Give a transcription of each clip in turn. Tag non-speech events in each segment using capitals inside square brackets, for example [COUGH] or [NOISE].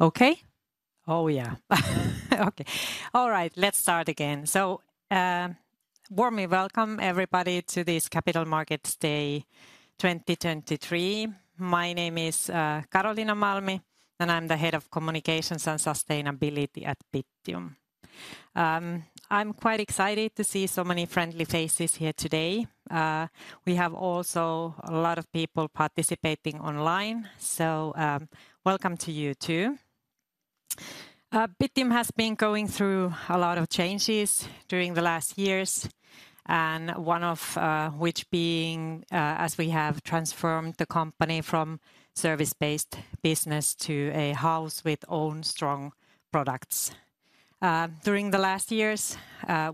Okay? Oh, yeah. Okay. All right, let's start again. So, warmly welcome, everybody, to this Capital Markets Day 2023. My name is Karoliina Malmi, and I'm the head of Communications and Sustainability at Bittium. I'm quite excited to see so many friendly faces here today. We have also a lot of people participating online, so welcome to you, too. Bittium has been going through a lot of changes during the last years, and one of which being as we have transformed the company from service-based business to a house with own strong products. During the last years,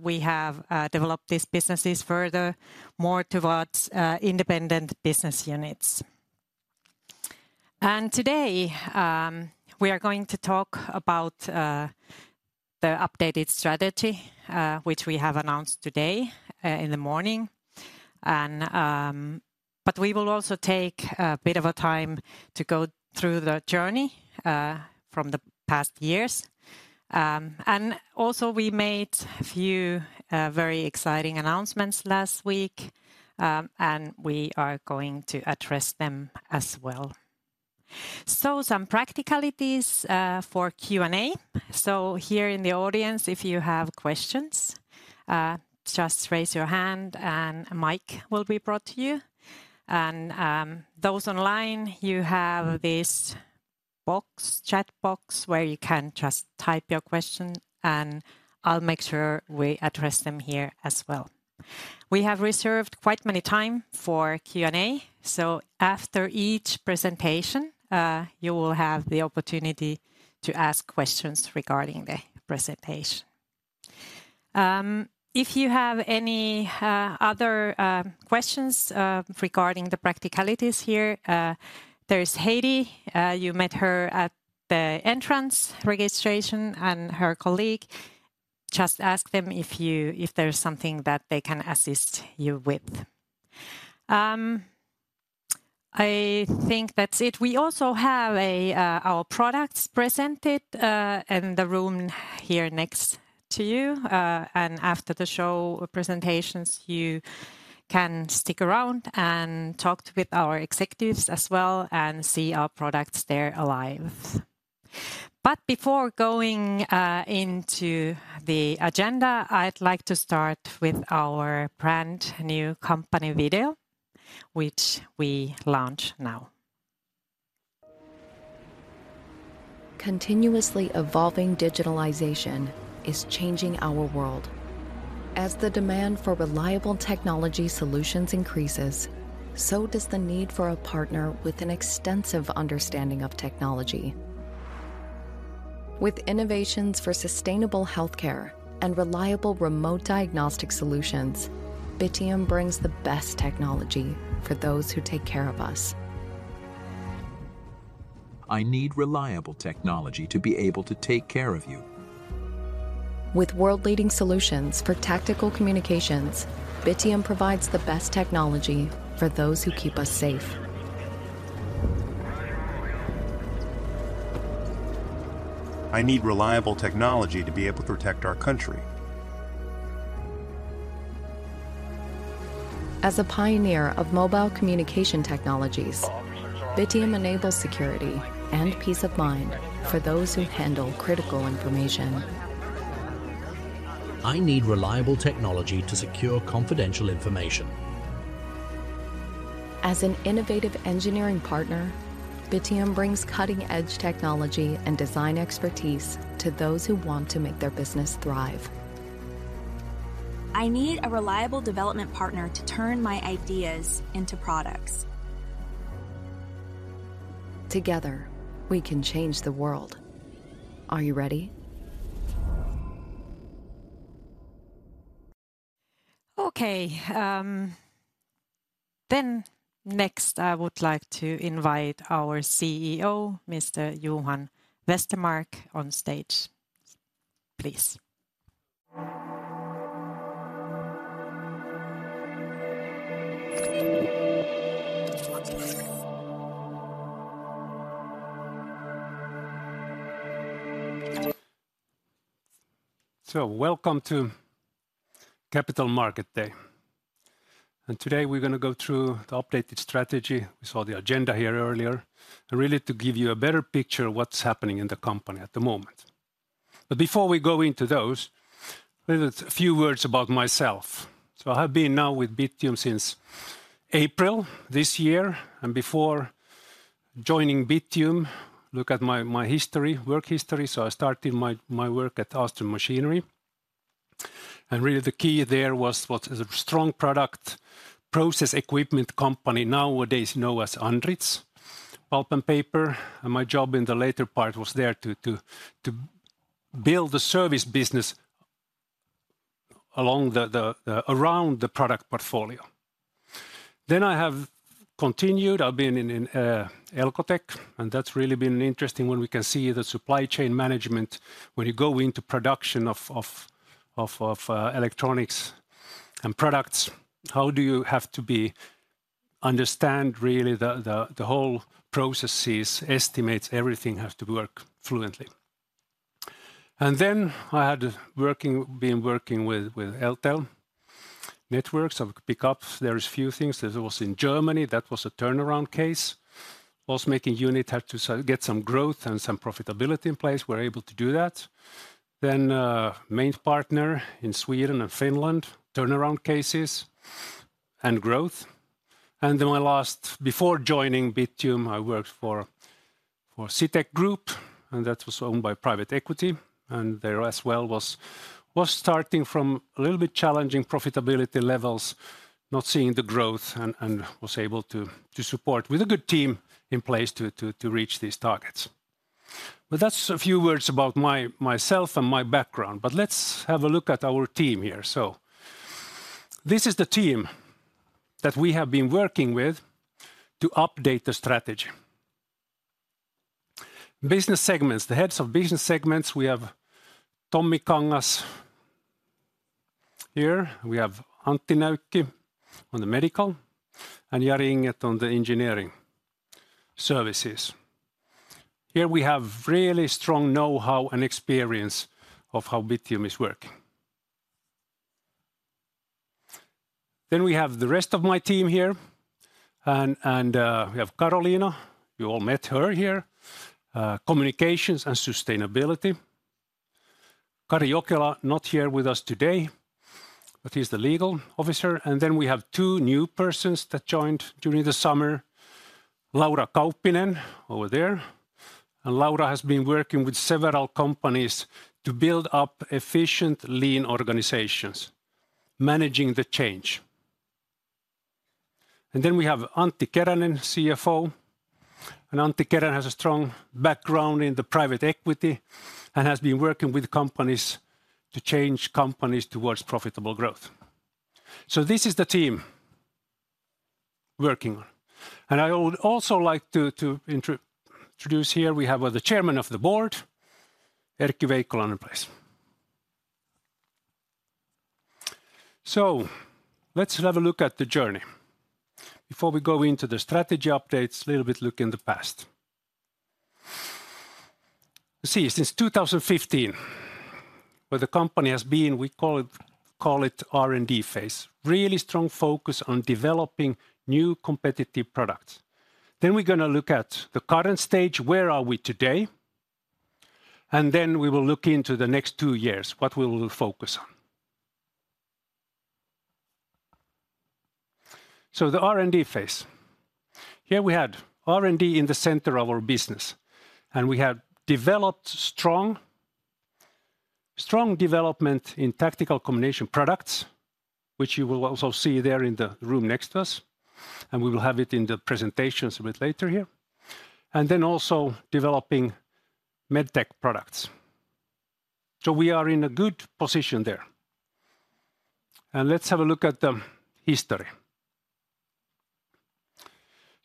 we have developed these businesses further, more towards independent business units. And today, we are going to talk about the updated strategy, which we have announced today in the morning. And... We will also take a bit of time to go through the journey from the past years. We made a few very exciting announcements last week, and we are going to address them as well. Some practicalities for Q&A. Here in the audience, if you have questions, just raise your hand, and a mic will be brought to you. Those online, you have this box, chat box, where you can just type your question, and I'll make sure we address them here as well. We have reserved quite a lot of time for Q&A, so after each presentation, you will have the opportunity to ask questions regarding the presentation. If you have any other questions regarding the practicalities here, there is Heidi, you met her at the entrance registration, and her colleague. Just ask them if there's something that they can assist you with. I think that's it. We also have our products presented in the room here next to you, and after the show presentations, you can stick around and talk with our executives as well and see our products there alive. But before going into the agenda, I'd like to start with our brand-new company video, which we launch now. Continuously evolving digitalization is changing our world. As the demand for reliable technology solutions increases, so does the need for a partner with an extensive understanding of technology. With innovations for sustainable healthcare and reliable remote diagnostic solutions, Bittium brings the best technology for those who take care of us. I need reliable technology to be able to take care of you. With world-leading solutions for tactical communications, Bittium provides the best technology for those who keep us safe. I need reliable technology to be able to protect our country. As a pioneer of mobile communication technologies, Bittium enables security and peace of mind for those who handle critical information. I need reliable technology to secure confidential information. As an innovative engineering partner, Bittium brings cutting-edge technology and design expertise to those who want to make their business thrive. I need a reliable development partner to turn my ideas into products. Together, we can change the world. Are you ready? Okay, then next, I would like to invite our CEO, Mr. Johan Westermarck, on stage, please. So welcome to Capital Market Day, and today we're gonna go through the updated strategy. We saw the agenda here earlier, and really to give you a better picture of what's happening in the company at the moment. But before we go into those, maybe a few words about myself. So I have been now with Bittium since April this year, and before joining Bittium, look at my history, work history, so I started my work at Ahlstrom Machinery. And really the key there was what is a strong product, process equipment company, nowadays known as Andritz Pulp and Paper, and my job in the latter part was there to build a service business along the around the product portfolio. Then I have continued. I've been in Elcoteq, and that's really been interesting when we can see the supply chain management, when you go into production of electronics and products, how do you have to understand really the whole processes, estimates, everything has to work fluently. And then I had been working with Eltel Networks. I picked up there a few things. There was in Germany, that was a turnaround case. Also making unit had to so get some growth and some profitability in place. We're able to do that. Then, Maintpartner in Sweden and Finland, turnaround cases and growth. And then my last, before joining Bittium, I worked for for Citec Group, and that was owned by private equity, and there as well was starting from a little bit challenging profitability levels, not seeing the growth and and was able to to support with a good team in place to reach these targets. But that's a few words about myself and my background. But let's have a look at our team here. So this is the team that we have been working with to update the strategy. Business segments. The heads of business segments, we have Tommi Kangas here. We have Antti Näykki on the medical, and Jari Inget on the Engineering Services. Here we have really strong know-how and experience of how Bittium is working. Then we have the rest of my team here, and and we have Karoliina. You all met her here, communications and sustainability. Kari Jokela, not here with us today, but he's the Legal Officer. And then we have two new persons that joined during the summer, Laura Kauppinen, over there. And Laura has been working with several companies to build up efficient lean organizations, managing the change. And then we have Antti Keränen, CFO, and Antti Keränen has a strong background in the private equity and has been working with companies to change companies towards profitable growth. So this is the team working on. And I would also like to introduce here, we have the Chairman of the Board, Erkki Veikkolainen, in place. So let's have a look at the journey. Before we go into the strategy updates, a little bit look in the past. See, since 2015, where the company has been, we call it, call it R&D phase. Really strong focus on developing new competitive products. Then we're gonna look at the current stage, where are we today? And then we will look into the next two years, what we will focus on. So the R&D phase. Here we had R&D in the center of our business, and we have developed strong, strong development in tactical communications products, which you will also see there in the room next to us, and we will have it in the presentations a bit later here, and then also developing medtech products. So we are in a good position there. And let's have a look at the history.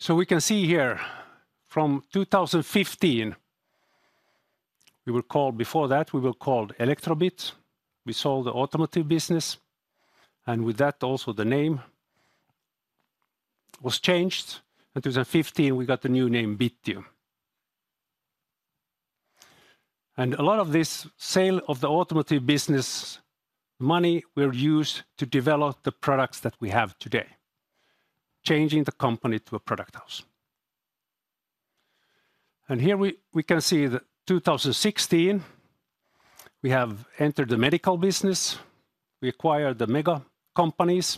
So we can see here from 2015, we were called... Before that, we were called Elektrobit. We sold the automotive business, and with that also the name was changed. In 2015, we got the new name, Bittium. And a lot of this sale of the automotive business money were used to develop the products that we have today, changing the company to a product house. And here we can see that 2016, we have entered the medical business. We acquired the Mega companies,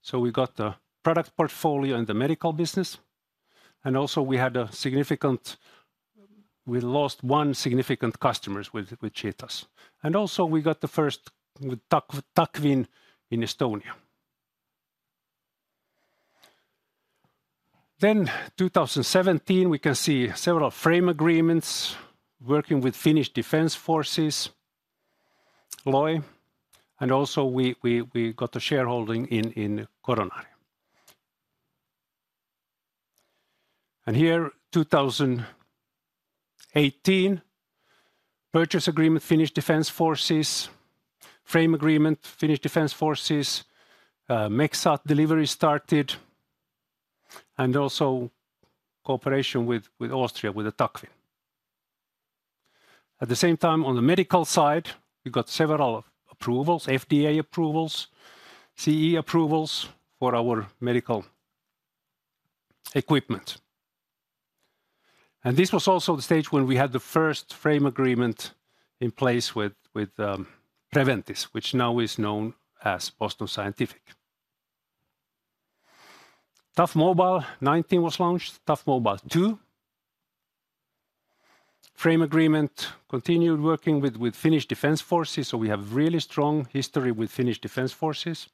so we got the product portfolio in the medical business, and also we had a significant. We lost one significant customers with. [AUDIO DISTORTION] And also, we got the first with TAC WIN in Estonia. Then 2017, we can see several frame agreements working with Finnish Defence Forces, LOI, and also we got a shareholding in Coronaria. And here, 2018, purchase agreement, Finnish Defence Forces, frame agreement, Finnish Defence Forces, MEXSAT delivery started, and also cooperation with Austria, with the TAC WIN. At the same time, on the medical side, we got several approvals, FDA approvals, CE approvals for our medical equipment. And this was also the stage when we had the first frame agreement in place with Preventice, which now is known as Boston Scientific. Tough Mobile 2019 was launched, Tough Mobile 2. Frame agreement, continued working with Finnish Defence Forces, so we have really strong history with Finnish Defence Forces.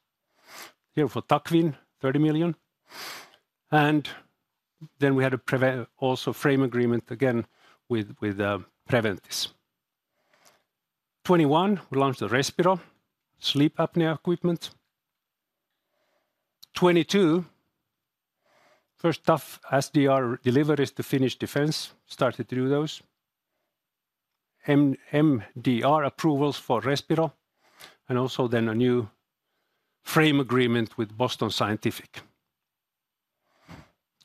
Here for TAC WIN, 30 million. And then we had also frame agreement again with Preventice. 2021, we launched the Respiro sleep apnea equipment. 2022, first Tough SDR deliveries to Finnish Defence started to do those. MDR approvals for Respiro, and also then a new frame agreement with Boston Scientific.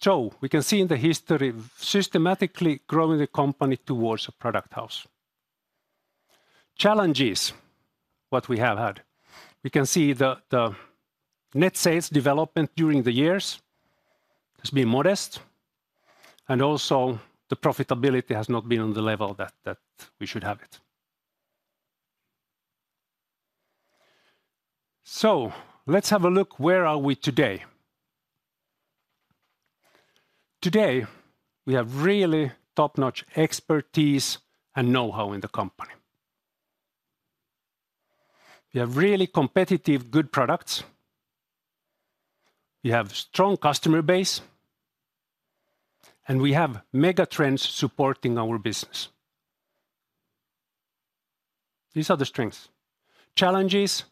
So we can see in the history, systematically growing the company towards a product house. Challenges, what we have had. We can see the net sales development during the years has been modest, and also the profitability has not been on the level that we should have it. So let's have a look, where are we today? Today, we have really top-notch expertise and know-how in the company. We have really competitive, good products, we have strong customer base, and we have mega trends supporting our business. These are the strengths. Challenges: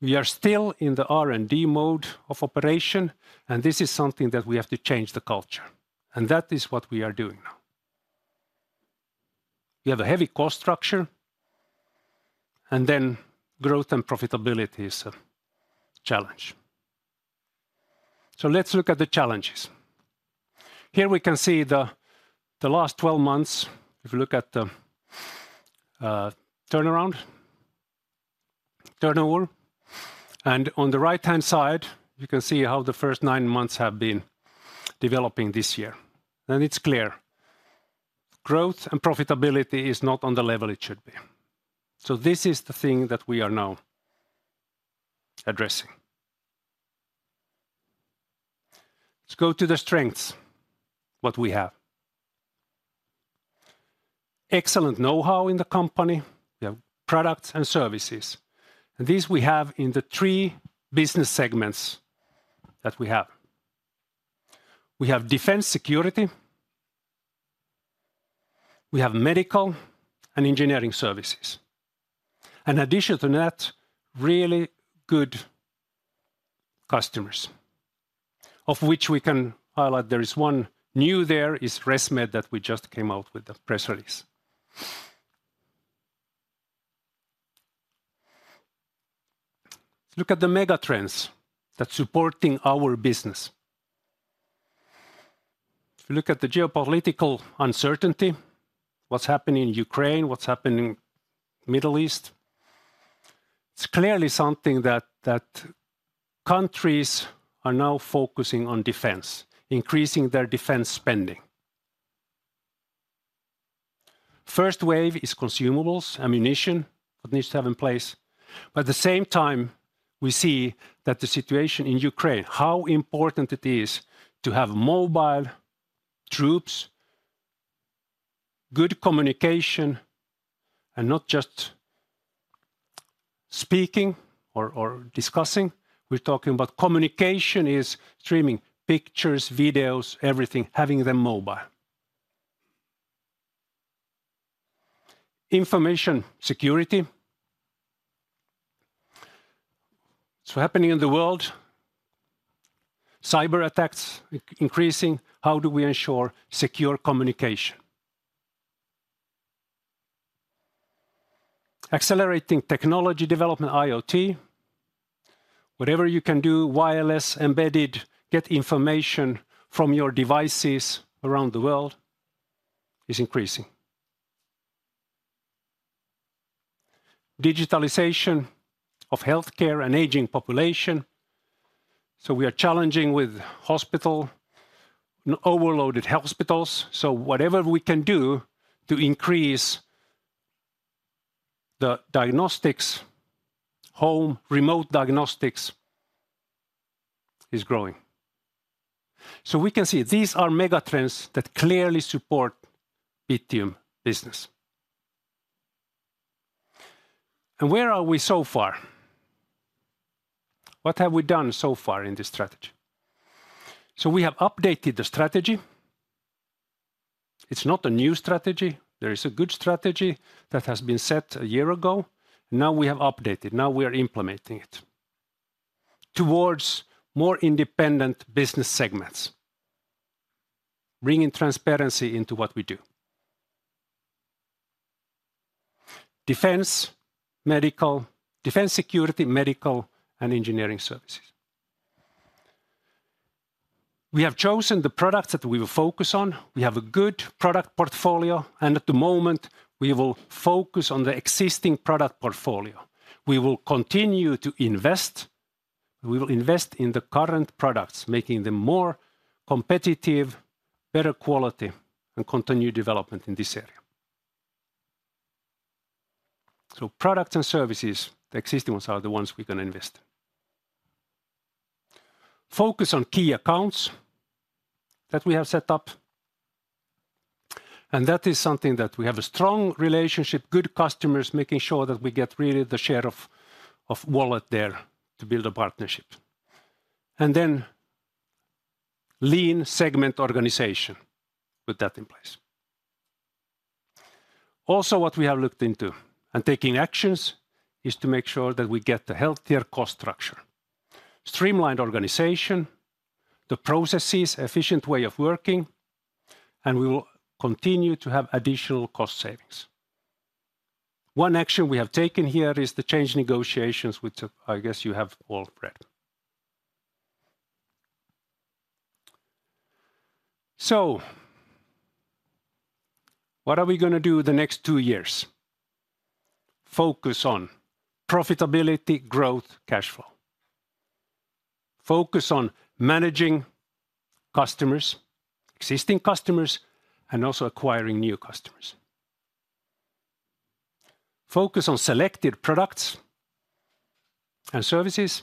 we are still in the R&D mode of operation, and this is something that we have to change the culture, and that is what we are doing now. We have a heavy cost structure, and then growth and profitability is a challenge. So let's look at the challenges. Here we can see the, the last 12 months, if you look at the, turnaround, turnover, and on the right-hand side, you can see how the first 9 months have been developing this year. And it's clear: growth and profitability is not on the level it should be. So this is the thing that we are now addressing. Let's go to the strengths, what we have. Excellent know-how in the company. We have products and services, and these we have in the three business segments that we have. We have defense security, we have medical and Engineering Services. In addition to that, really good customers, of which we can highlight there is one new there, is ResMed, that we just came out with a press release. Let's look at the mega trends that's supporting our business. If you look at the geopolitical uncertainty, what's happening in Ukraine, what's happening in Middle East, it's clearly something that countries are now focusing on defense, increasing their defense spending. First wave is consumables, ammunition, that needs to have in place, but at the same time, we see that the situation in Ukraine, how important it is to have mobile troops, good communication, and not just speaking or discussing. We're talking about communication is streaming pictures, videos, everything, having them mobile. Information security. So happening in the world, cyberattacks increasing. How do we ensure secure communication? Accelerating technology development, IoT. Whatever you can do, wireless, embedded, get information from your devices around the world is increasing. Digitalization of healthcare and aging population. So we are challenging with hospital, overloaded hospitals, so whatever we can do to increase the diagnostics, home remote diagnostics, is growing. So we can see these are mega trends that clearly support Bittium business. And where are we so far? What have we done so far in this strategy? So we have updated the strategy. It's not a new strategy. There is a good strategy that has been set a year ago. Now we have updated, now we are implementing it towards more independent business segments, bringing transparency into what we do. Defence, security, medical, and Engineering Services. We have chosen the products that we will focus on. We have a good product portfolio, and at the moment, we will focus on the existing product portfolio. We will continue to invest. We will invest in the current products, making them more competitive, better quality, and continue development in this area. So products and services, the existing ones are the ones we're gonna invest in. Focus on key accounts that we have set up, and that is something that we have a strong relationship, good customers, making sure that we get really the share of wallet there to build a partnership. And then, lean segment organization, put that in place. Also, what we have looked into and taking actions, is to make sure that we get a healthier cost structure... streamlined organization, the processes, efficient way of working, and we will continue to have additional cost savings. One action we have taken here is the change negotiations, which I guess you have all read. So what are we gonna do the next two years? Focus on profitability, growth, cash flow. Focus on managing customers, existing customers, and also acquiring new customers. Focus on selected products and services,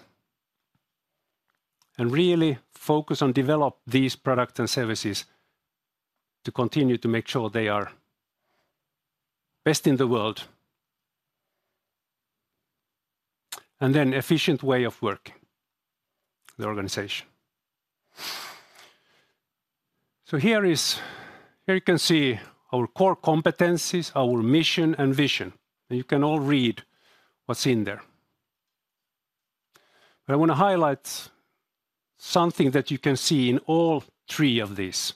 and really focus on develop these products and services to continue to make sure they are best in the world. And then efficient way of working, the organization. So here you can see our core competencies, our mission and vision, and you can all read what's in there. But I wanna highlight something that you can see in all three of these.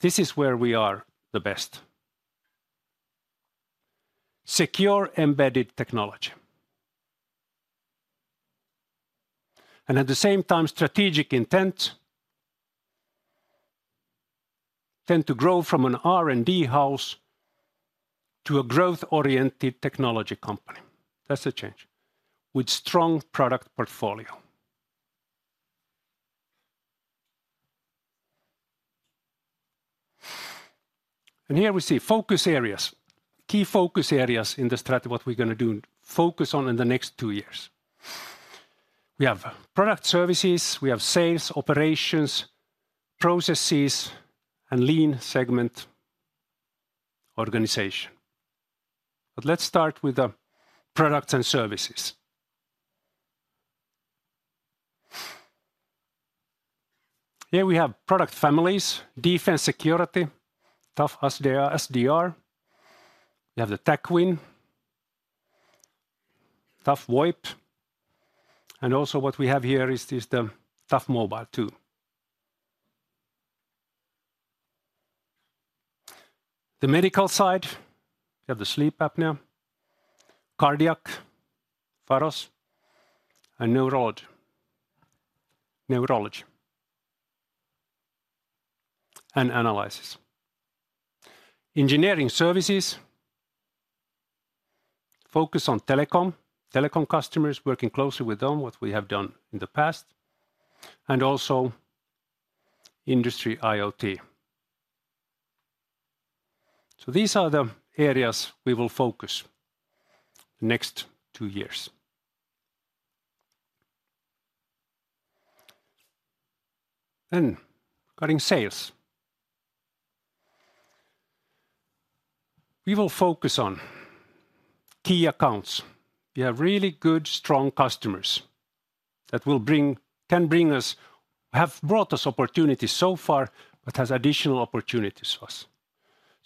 This is where we are the best: secure embedded technology. And at the same time, strategic intent tend to grow from an R&D house to a growth-oriented technology company. That's the change, with strong product portfolio. And here we see focus areas, key focus areas in the strategy, what we're gonna do and focus on in the next two years. We have product services, we have sales, operations, processes, and lean segment organization. Let's start with the products and services. Here we have product families, defense, security, Tough SDR, SDR. We have the TAC WIN, Tough VoIP, and also what we have here is the Tough Mobile 2. The medical side, we have the sleep apnea, cardiac, Faros, and neurology, neurology and analysis. Engineering services focus on telecom, telecom customers, working closely with them, what we have done in the past, and also industry IoT. These are the areas we will focus the next two years. Cutting sales, we will focus on key accounts. We have really good, strong customers that will bring-- can bring us... have brought us opportunities so far, but has additional opportunities to us.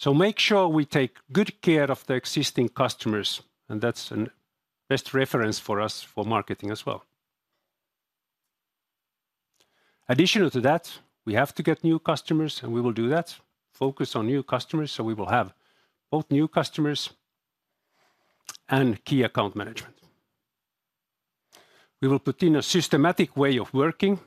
So make sure we take good care of the existing customers, and that's a best reference for us for marketing as well. Additional to that, we have to get new customers, and we will do that. Focus on new customers, so we will have both new customers and key account management. We will put in a systematic way of working.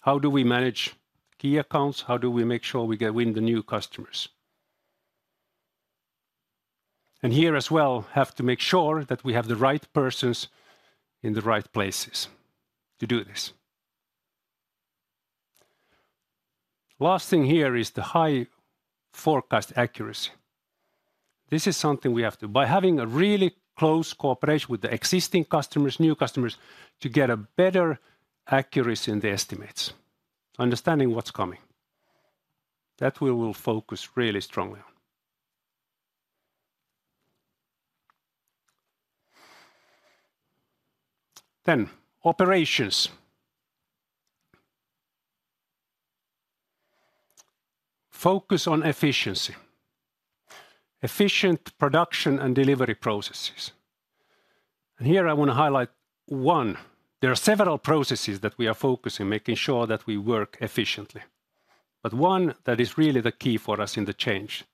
How do we manage key accounts? How do we make sure we get win the new customers? And here as well, have to make sure that we have the right persons in the right places to do this. Last thing here is the high forecast accuracy. This is something we have to, by having a really close cooperation with the existing customers, new customers, to get a better accuracy in the estimates, understanding what's coming. That we will focus really strongly on. Then, operations. Focus on efficiency, efficient production and delivery processes. Here I wanna highlight one. There are several processes that we are focusing, making sure that we work efficiently, but one that is really the key for us in the change,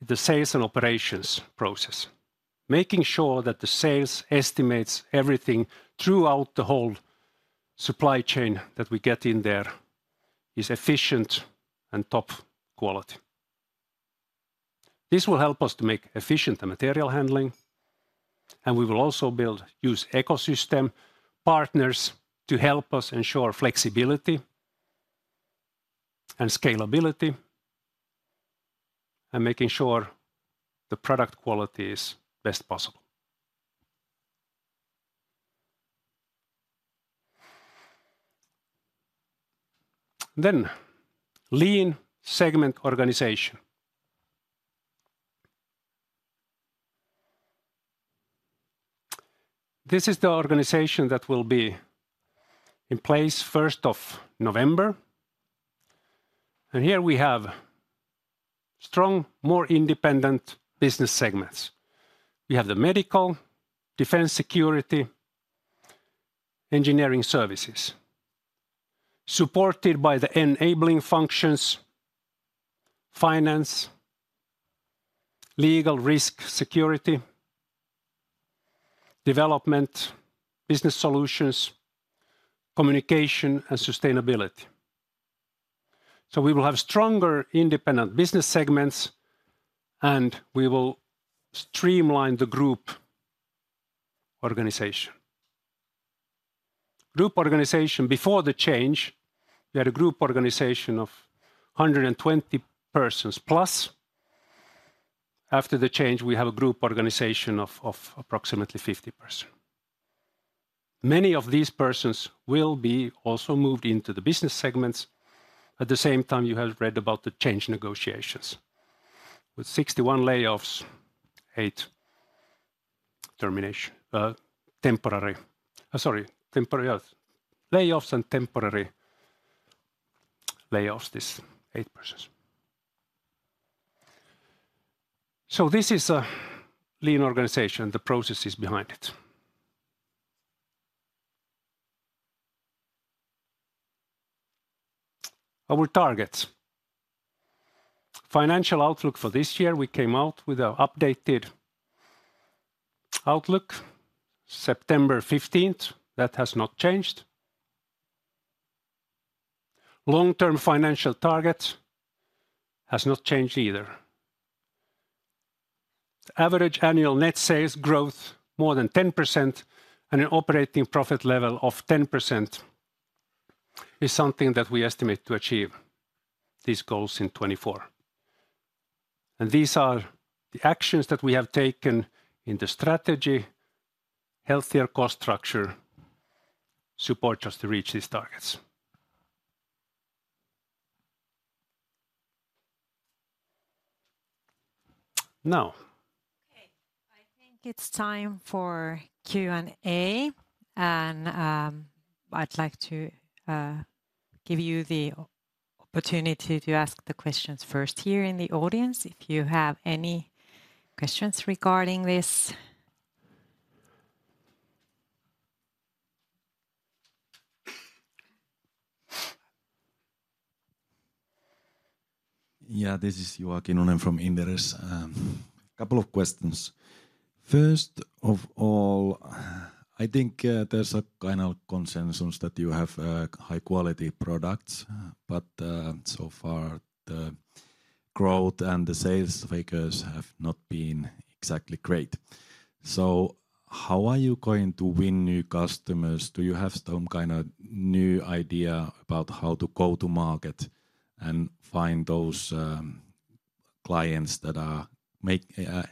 the sales and operations process. Making sure that the sales estimates everything throughout the whole supply chain that we get in there is efficient and top quality. This will help us to make efficient the material handling, and we will also build, use ecosystem partners to help us ensure flexibility and scalability, and making sure the product quality is best possible. Lean segment organization. This is the organization that will be in place first of November... and here we have strong, more independent business segments. We have the Medical, Defence Security, Engineering Services, supported by the enabling functions: finance, legal, risk, security, development, business solutions, communication, and sustainability. We will have stronger independent business segments, and we will streamline the group organization. Group organization before the change, we had a group organization of 120 persons+. After the change, we have a group organization of approximately 50 persons. Many of these persons will be also moved into the business segments. At the same time, you have read about the change negotiations, with 61 layoffs, eight termination, temporary layoffs and temporary layoffs, this eight persons. This is a lean organization, the processes behind it. Our targets. Financial outlook for this year, we came out with an updated outlook, September 15th. That has not changed. Long-term financial target has not changed either. Average annual net sales growth, more than 10%, and an operating profit level of 10% is something that we estimate to achieve these goals in 2024. These are the actions that we have taken in the strategy. Healthier cost structure support us to reach these targets. Now- Okay, I think it's time for Q&A, and I'd like to give you the opportunity to ask the questions first here in the audience, if you have any questions regarding this. Yeah, this is Joakim Lind from Inderes. Couple of questions. First of all, I think, there's a kind of consensus that you have high-quality products, but so far, the growth and the sales figures have not been exactly great. So how are you going to win new customers? Do you have some kind of new idea about how to go to market and find those clients that are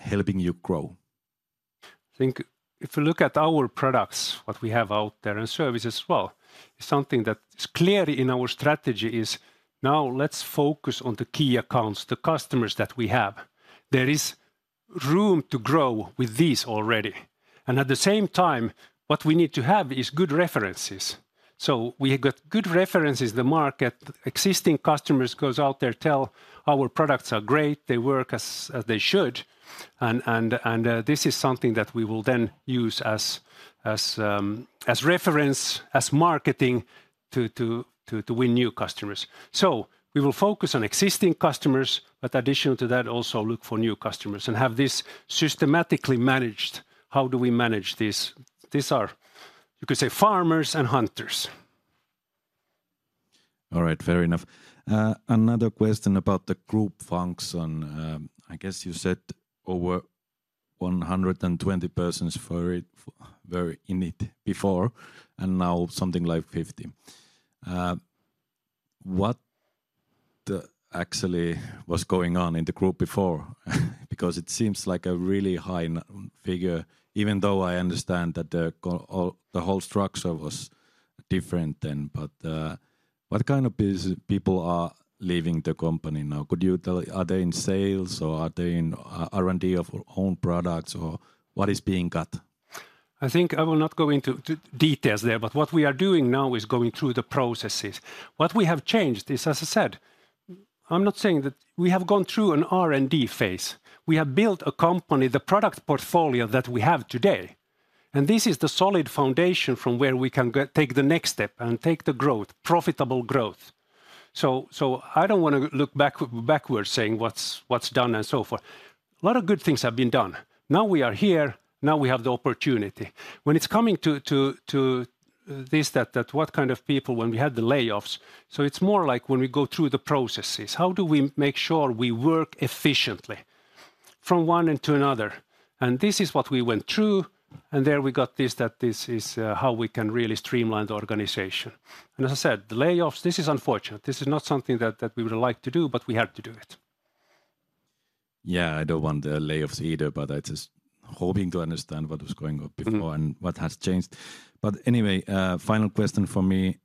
helping you grow? I think if you look at our products, what we have out there, and service as well, something that is clear in our strategy is now let's focus on the key accounts, the customers that we have. There is room to grow with these already, and at the same time, what we need to have is good references. So we have got good references, the market, existing customers goes out there, tell our products are great, they work as they should, this is something that we will then use as reference, as marketing to win new customers. So we will focus on existing customers, but additional to that, also look for new customers and have this systematically managed. How do we manage this? These are, you could say, farmers and hunters. All right. Fair enough. Another question about the group function. I guess you said over 120 persons for it were in it before, and now something like 50. What actually was going on in the group before? Because it seems like a really high figure, even though I understand that the overall, the whole structure was different then, but what kind of business people are leaving the company now? Could you tell, are they in sales, or are they in R&D of our own products, or what is being cut? I think I will not go into details there, but what we are doing now is going through the processes. What we have changed is, as I said, I'm not saying that we have gone through an R&D phase. We have built a company, the product portfolio that we have today, and this is the solid foundation from where we can take the next step and take the growth, profitable growth. So I don't wanna look backwards, saying what's done and so forth. A lot of good things have been done. Now we are here. Now we have the opportunity. When it's coming to this, what kind of people when we had the layoffs, so it's more like when we go through the processes, how do we make sure we work efficiently from one into another? This is what we went through, and there we got this, that this is how we can really streamline the organization. As I said, the layoffs. This is unfortunate. This is not something that we would like to do, but we had to do it. Yeah, I don't want the layoffs either, but I just hoping to understand what was going on before. Mm-hmm And what has changed. But anyway, final question for me: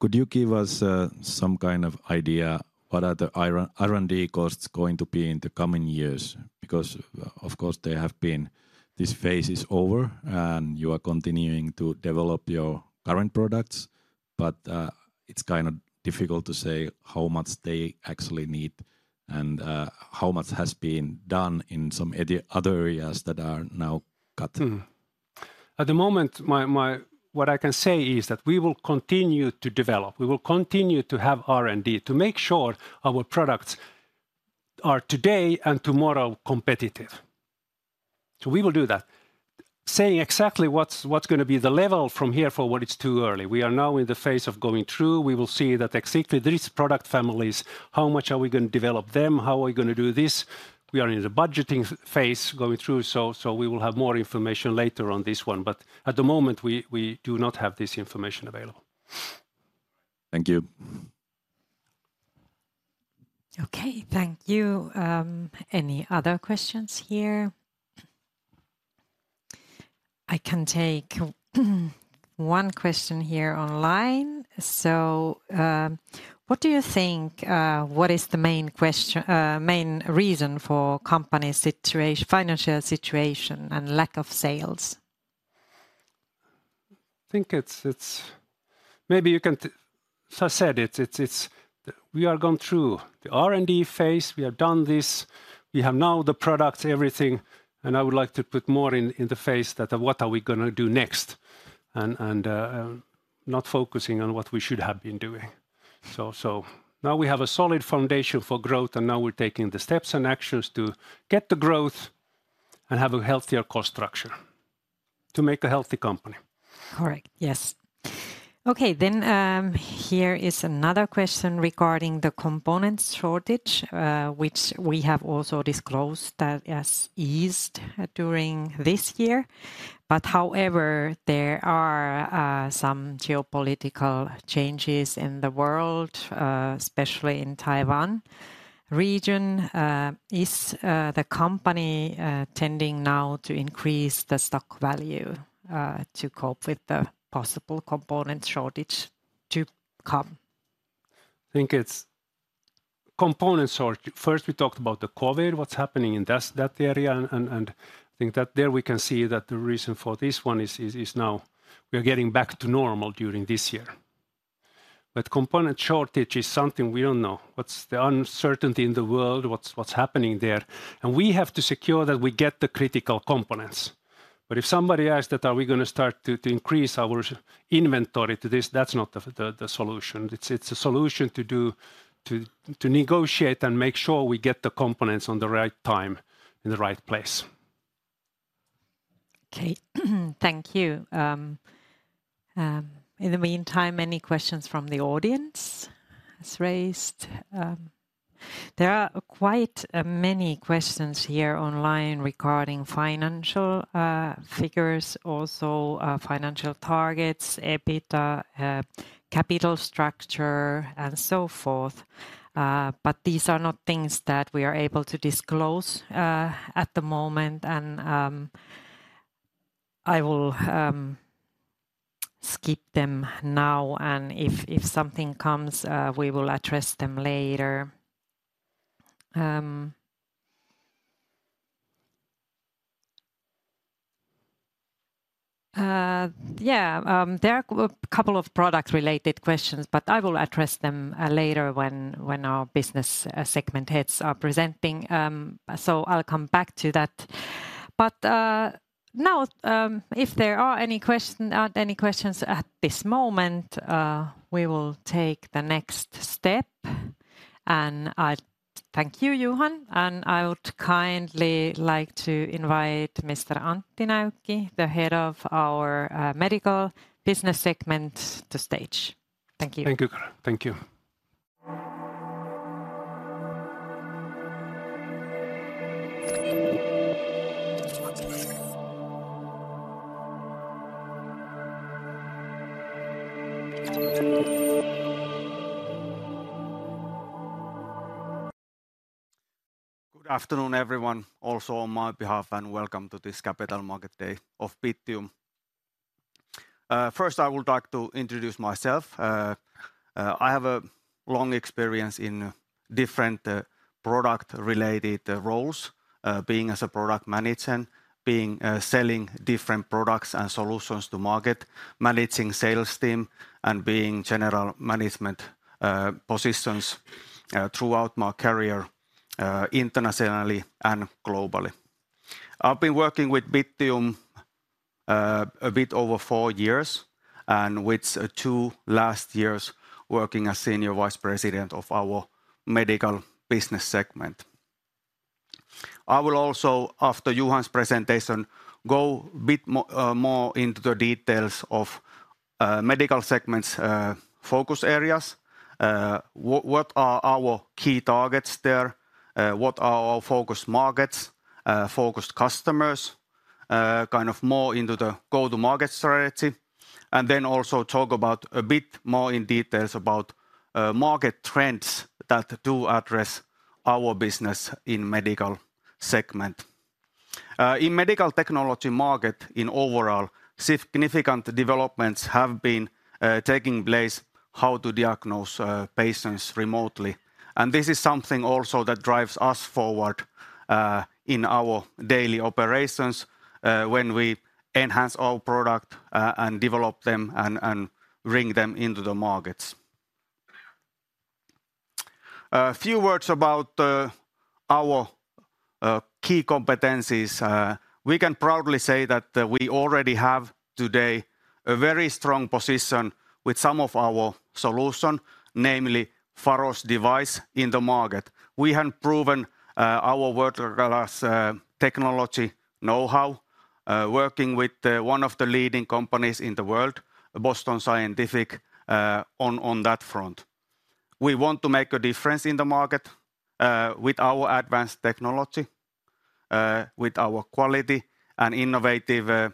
Could you give us some kind of idea, what are the IR, R&D costs going to be in the coming years? Because of course, they have been... This phase is over, and you are continuing to develop your current products.... But, it's kind of difficult to say how much they actually need and, how much has been done in some other, other areas that are now cutting. At the moment, what I can say is that we will continue to develop, we will continue to have R&D to make sure our products are today and tomorrow competitive. So we will do that. Saying exactly what's gonna be the level from here for what it's too early. We are now in the phase of going through. We will see that exactly these product families, how much are we gonna develop them? How are we gonna do this? We are in the budgeting phase going through, so we will have more information later on this one, but at the moment, we do not have this information available. Thank you. Okay, thank you. Any other questions here? I can take one question here online. So, what do you think, what is the main reason for company situation... financial situation and lack of sales? I think it's. Maybe you can so I said, it's we are going through the R&D phase. We have done this. We have now the products, everything, and I would like to put more in the phase that, what are we gonna do next? And not focusing on what we should have been doing. So now we have a solid foundation for growth, and now we're taking the steps and actions to get the growth and have a healthier cost structure to make a healthy company. Correct, yes. Okay, then, here is another question regarding the component shortage, which we have also disclosed that has eased during this year. But however, there are some geopolitical changes in the world, especially in the Taiwan region. Is the company tending now to increase the stock value to cope with the possible component shortage to come? I think it's component shortage. First, we talked about the COVID, what's happening in that area, and I think that there we can see that the reason for this one is now we are getting back to normal during this year. But component shortage is something we don't know. What's the uncertainty in the world? What's happening there? And we have to secure that we get the critical components. But if somebody asks that, are we gonna start to increase our inventory to this, that's not the solution. It's a solution to negotiate and make sure we get the components on the right time, in the right place. Okay. Thank you. In the meantime, any questions from the audience that's raised? There are quite many questions here online regarding financial figures, also financial targets, EBITDA, capital structure, and so forth. But these are not things that we are able to disclose at the moment, and I will skip them now, and if something comes, we will address them later. Yeah, there are a couple of product-related questions, but I will address them later when our business segment heads are presenting. So I'll come back to that. But now, if there are any question- are any questions at this moment, we will take the next step, and I thank you, Johan. And I would kindly like to invite Mr. Antti Näykki, the head of our medical business segment, to stage. Thank you. Thank you. Thank you. Good afternoon, everyone, also on my behalf, and welcome to this Capital Markets Day of Bittium. First, I would like to introduce myself. I have a long experience in different product-related roles, being as a product manager and being selling different products and solutions to market, managing sales team, and being general management positions throughout my career, internationally and globally. I've been working with Bittium a bit over four years, and with two last years working as senior vice president of our medical business segment. I will also, after Johan's presentation, go a bit more into the details of medical segment's focus areas. What are our key targets there? What are our focus markets, focus customers? Kind of more into the go-to-market strategy, and then also talk about a bit more in details about market trends that do address our business in medical segment. In medical technology market in overall, significant developments have been taking place—how to diagnose patients remotely. And this is something also that drives us forward in our daily operations when we enhance our product and develop them and bring them into the markets. A few words about our key competencies. We can proudly say that we already have today a very strong position with some of our solution, namely Faros device, in the market. We have proven our world-class technology know-how working with one of the leading companies in the world, Boston Scientific, on that front. We want to make a difference in the market, with our advanced technology, with our quality and innovative,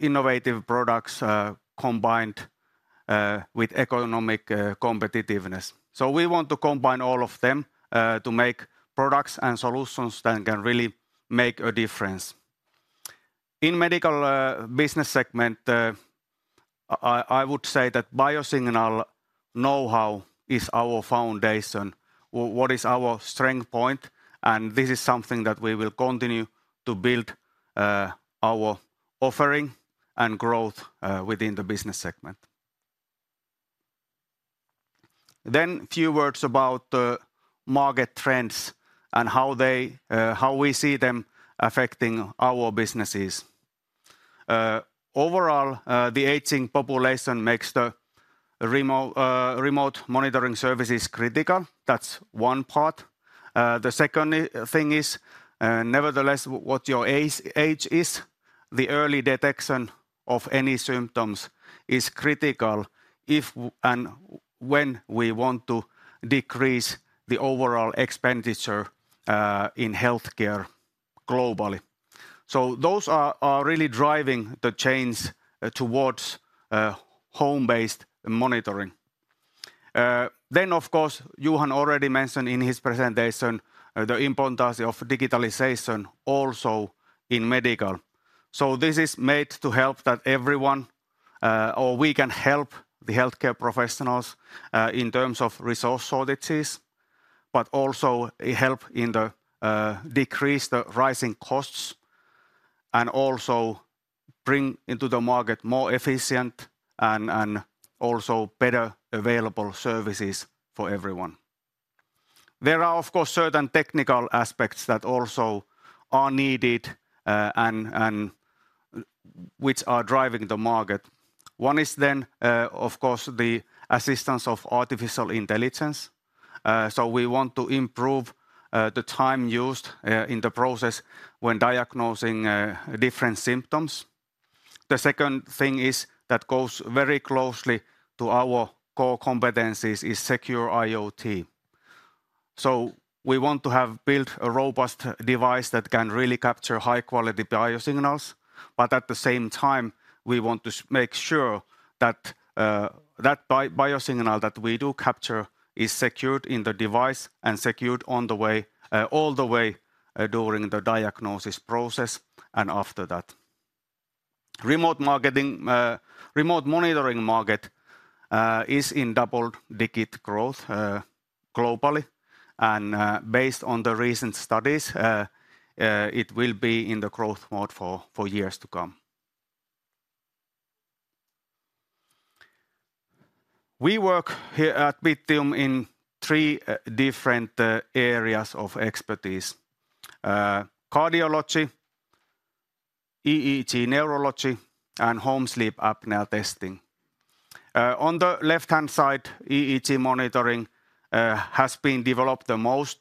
innovative products, combined, with economic, competitiveness. So we want to combine all of them, to make products and solutions that can really make a difference. In medical, business segment, I would say that biosignal know-how is our foundation. What is our strength point, and this is something that we will continue to build, our offering and growth, within the business segment. Then few words about the market trends and how they, how we see them affecting our businesses. Overall, the aging population makes the remote monitoring services critical. That's one part. The second thing is, nevertheless, what your age is, the early detection of any symptoms is critical, if and when we want to decrease the overall expenditure in healthcare globally. Those are really driving the change towards home-based monitoring. Of course, Johan already mentioned in his presentation the importance of digitalization also in medical. This is made to help that everyone, or we can help the healthcare professionals, in terms of resource shortages, but also help decrease the rising costs, and also bring into the market more efficient and also better available services for everyone. There are, of course, certain technical aspects that also are needed, and which are driving the market. One is, of course, the assistance of artificial intelligence. We want to improve the time used in the process when diagnosing different symptoms. The second thing is, that goes very closely to our core competencies, is secure IoT. We want to have built a robust device that can really capture high-quality biosignals, but at the same time, we want to make sure that biosignal that we do capture is secured in the device and secured on the way, all the way, during the diagnosis process and after that. Remote monitoring market is in double-digit growth globally, and based on the recent studies, it will be in the growth mode for years to come. We work here at Bittium in three different areas of expertise: cardiology, EEG neurology, and home sleep apnea testing. On the left-hand side, EEG monitoring has been developed the most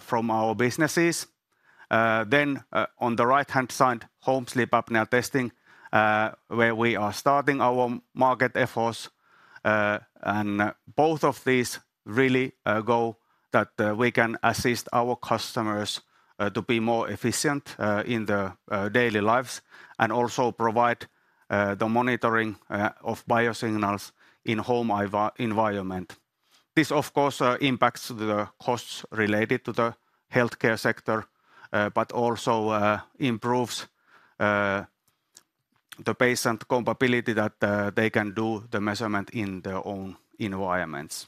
from our businesses. Then, on the right-hand side, home sleep apnea testing, where we are starting our market efforts. And both of these really go that we can assist our customers to be more efficient in their daily lives, and also provide the monitoring of biosignals in home environment. This, of course, impacts the costs related to the healthcare sector, but also improves the patient compatibility that they can do the measurement in their own environments.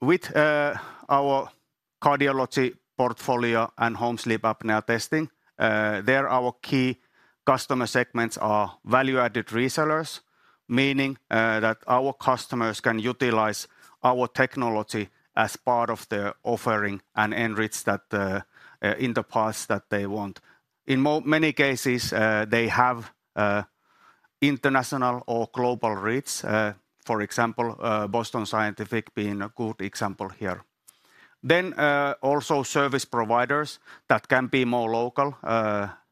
With our cardiology portfolio and home sleep apnea testing, there our key customer segments are value-added resellers, meaning that our customers can utilize our technology as part of their offering and enrich that in the parts that they want. In many cases, they have international or global reach, for example, Boston Scientific being a good example here. Then also service providers that can be more local,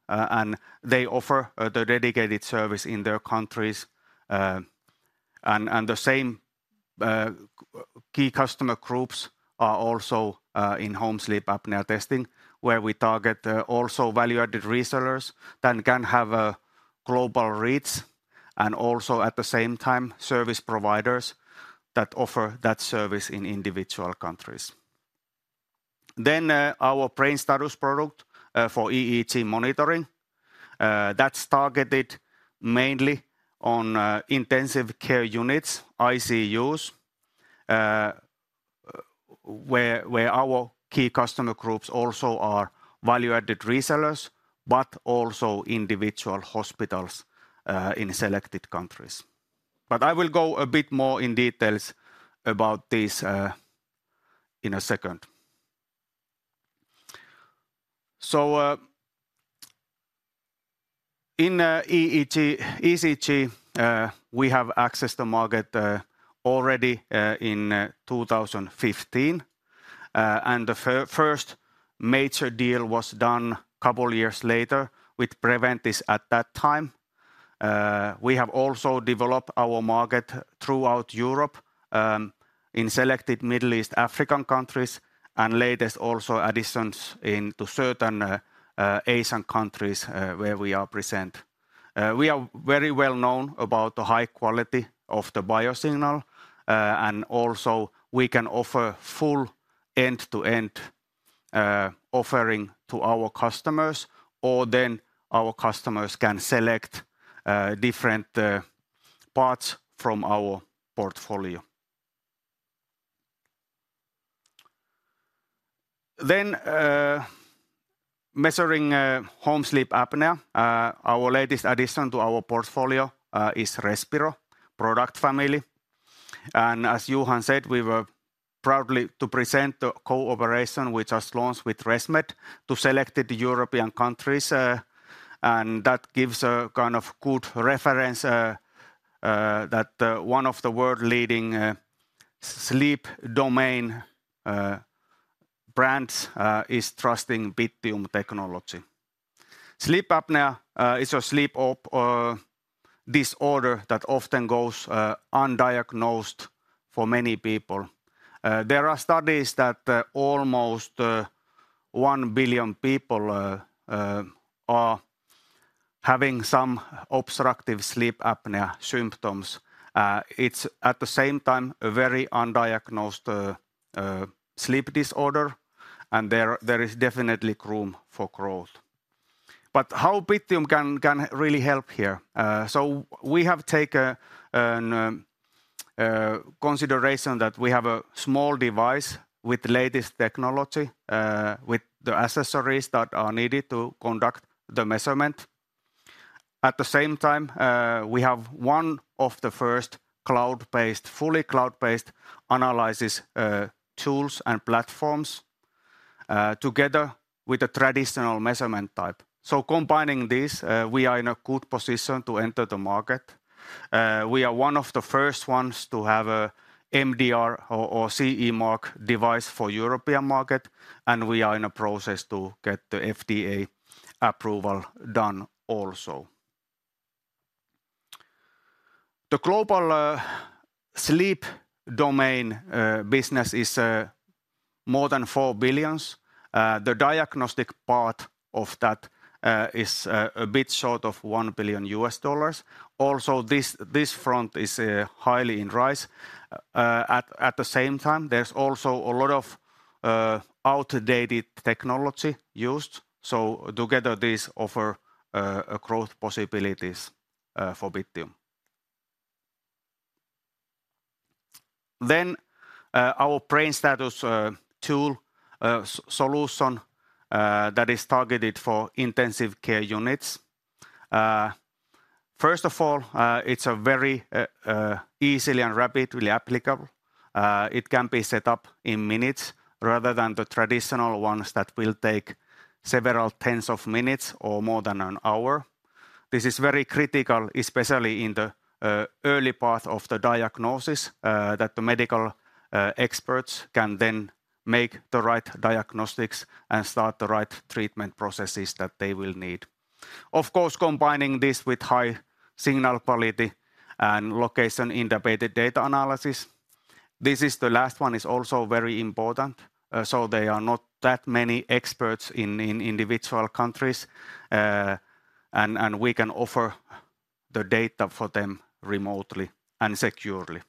and they offer the dedicated service in their countries. And the same key customer groups are also in home sleep apnea testing, where we target the also value-added resellers, that can have a global reach, and also at the same time, service providers that offer that service in individual countries. Our BrainStatus product for EEG monitoring is targeted mainly on intensive care units, ICUs, where our key customer groups also are value-added resellers, but also individual hospitals in selected countries. I will go a bit more in details about this in a second. In EEG, ECG, we have accessed the market already in 2015. The first major deal was done a couple years later with Preventice at that time. We have also developed our market throughout Europe, in selected Middle East African countries, and latest also additions into certain Asian countries where we are present. We are very well known about the high quality of the biosignal. Also, we can offer full end-to-end offering to our customers, or then our customers can select different parts from our portfolio. Then, measuring home sleep apnea. Our latest addition to our portfolio is Respiro product family. And as Johan said, we were proudly to present the cooperation, which was launched with ResMed to selected European countries. And that gives a kind of good reference that one of the world-leading sleep domain brands is trusting Bittium technology. Sleep apnea is a sleep disorder that often goes undiagnosed for many people. There are studies that almost 1 billion people are having some obstructive sleep apnea symptoms. It's at the same time a very undiagnosed sleep disorder, and there is definitely room for growth. But how Bittium can really help here? So we have taken into consideration that we have a small device with the latest technology, with the accessories that are needed to conduct the measurement. At the same time, we have one of the first cloud-based, fully cloud-based analysis tools and platforms, together with the traditional measurement type. So combining this, we are in a good position to enter the market. We are one of the first ones to have a MDR or, or CE mark device for European market, and we are in a process to get the FDA approval done also. The global sleep domain business is more than $4 billion. The diagnostic part of that is a bit short of $1 billion. Also, this front is highly in rise. At the same time, there's also a lot of outdated technology used, so together, these offer growth possibilities for Bittium. Our BrainStatus tool solution that is targeted for intensive care units, first of all, it's very easily and rapidly applicable. It can be set up in minutes rather than the traditional ones that will take several tens of minutes or more than an hour. This is very critical, especially in the early path of the diagnosis, that the medical experts can then make the right diagnostics and start the right treatment processes that they will need. Of course, combining this with high signal quality and location-integrated data analysis, this last one is also very important. So there are not that many experts in individual countries, and we can offer the data for them remotely and securely.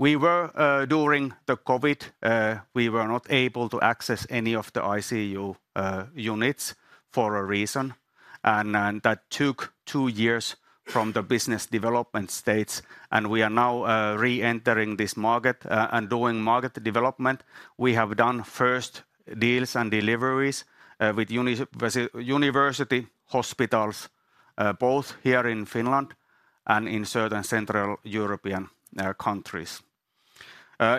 We were. During the COVID, we were not able to access any of the ICU units for a reason, and that took two years from the business development stages, and we are now reentering this market, and doing market development. We have done first deals and deliveries with university hospitals, both here in Finland and in certain Central European countries.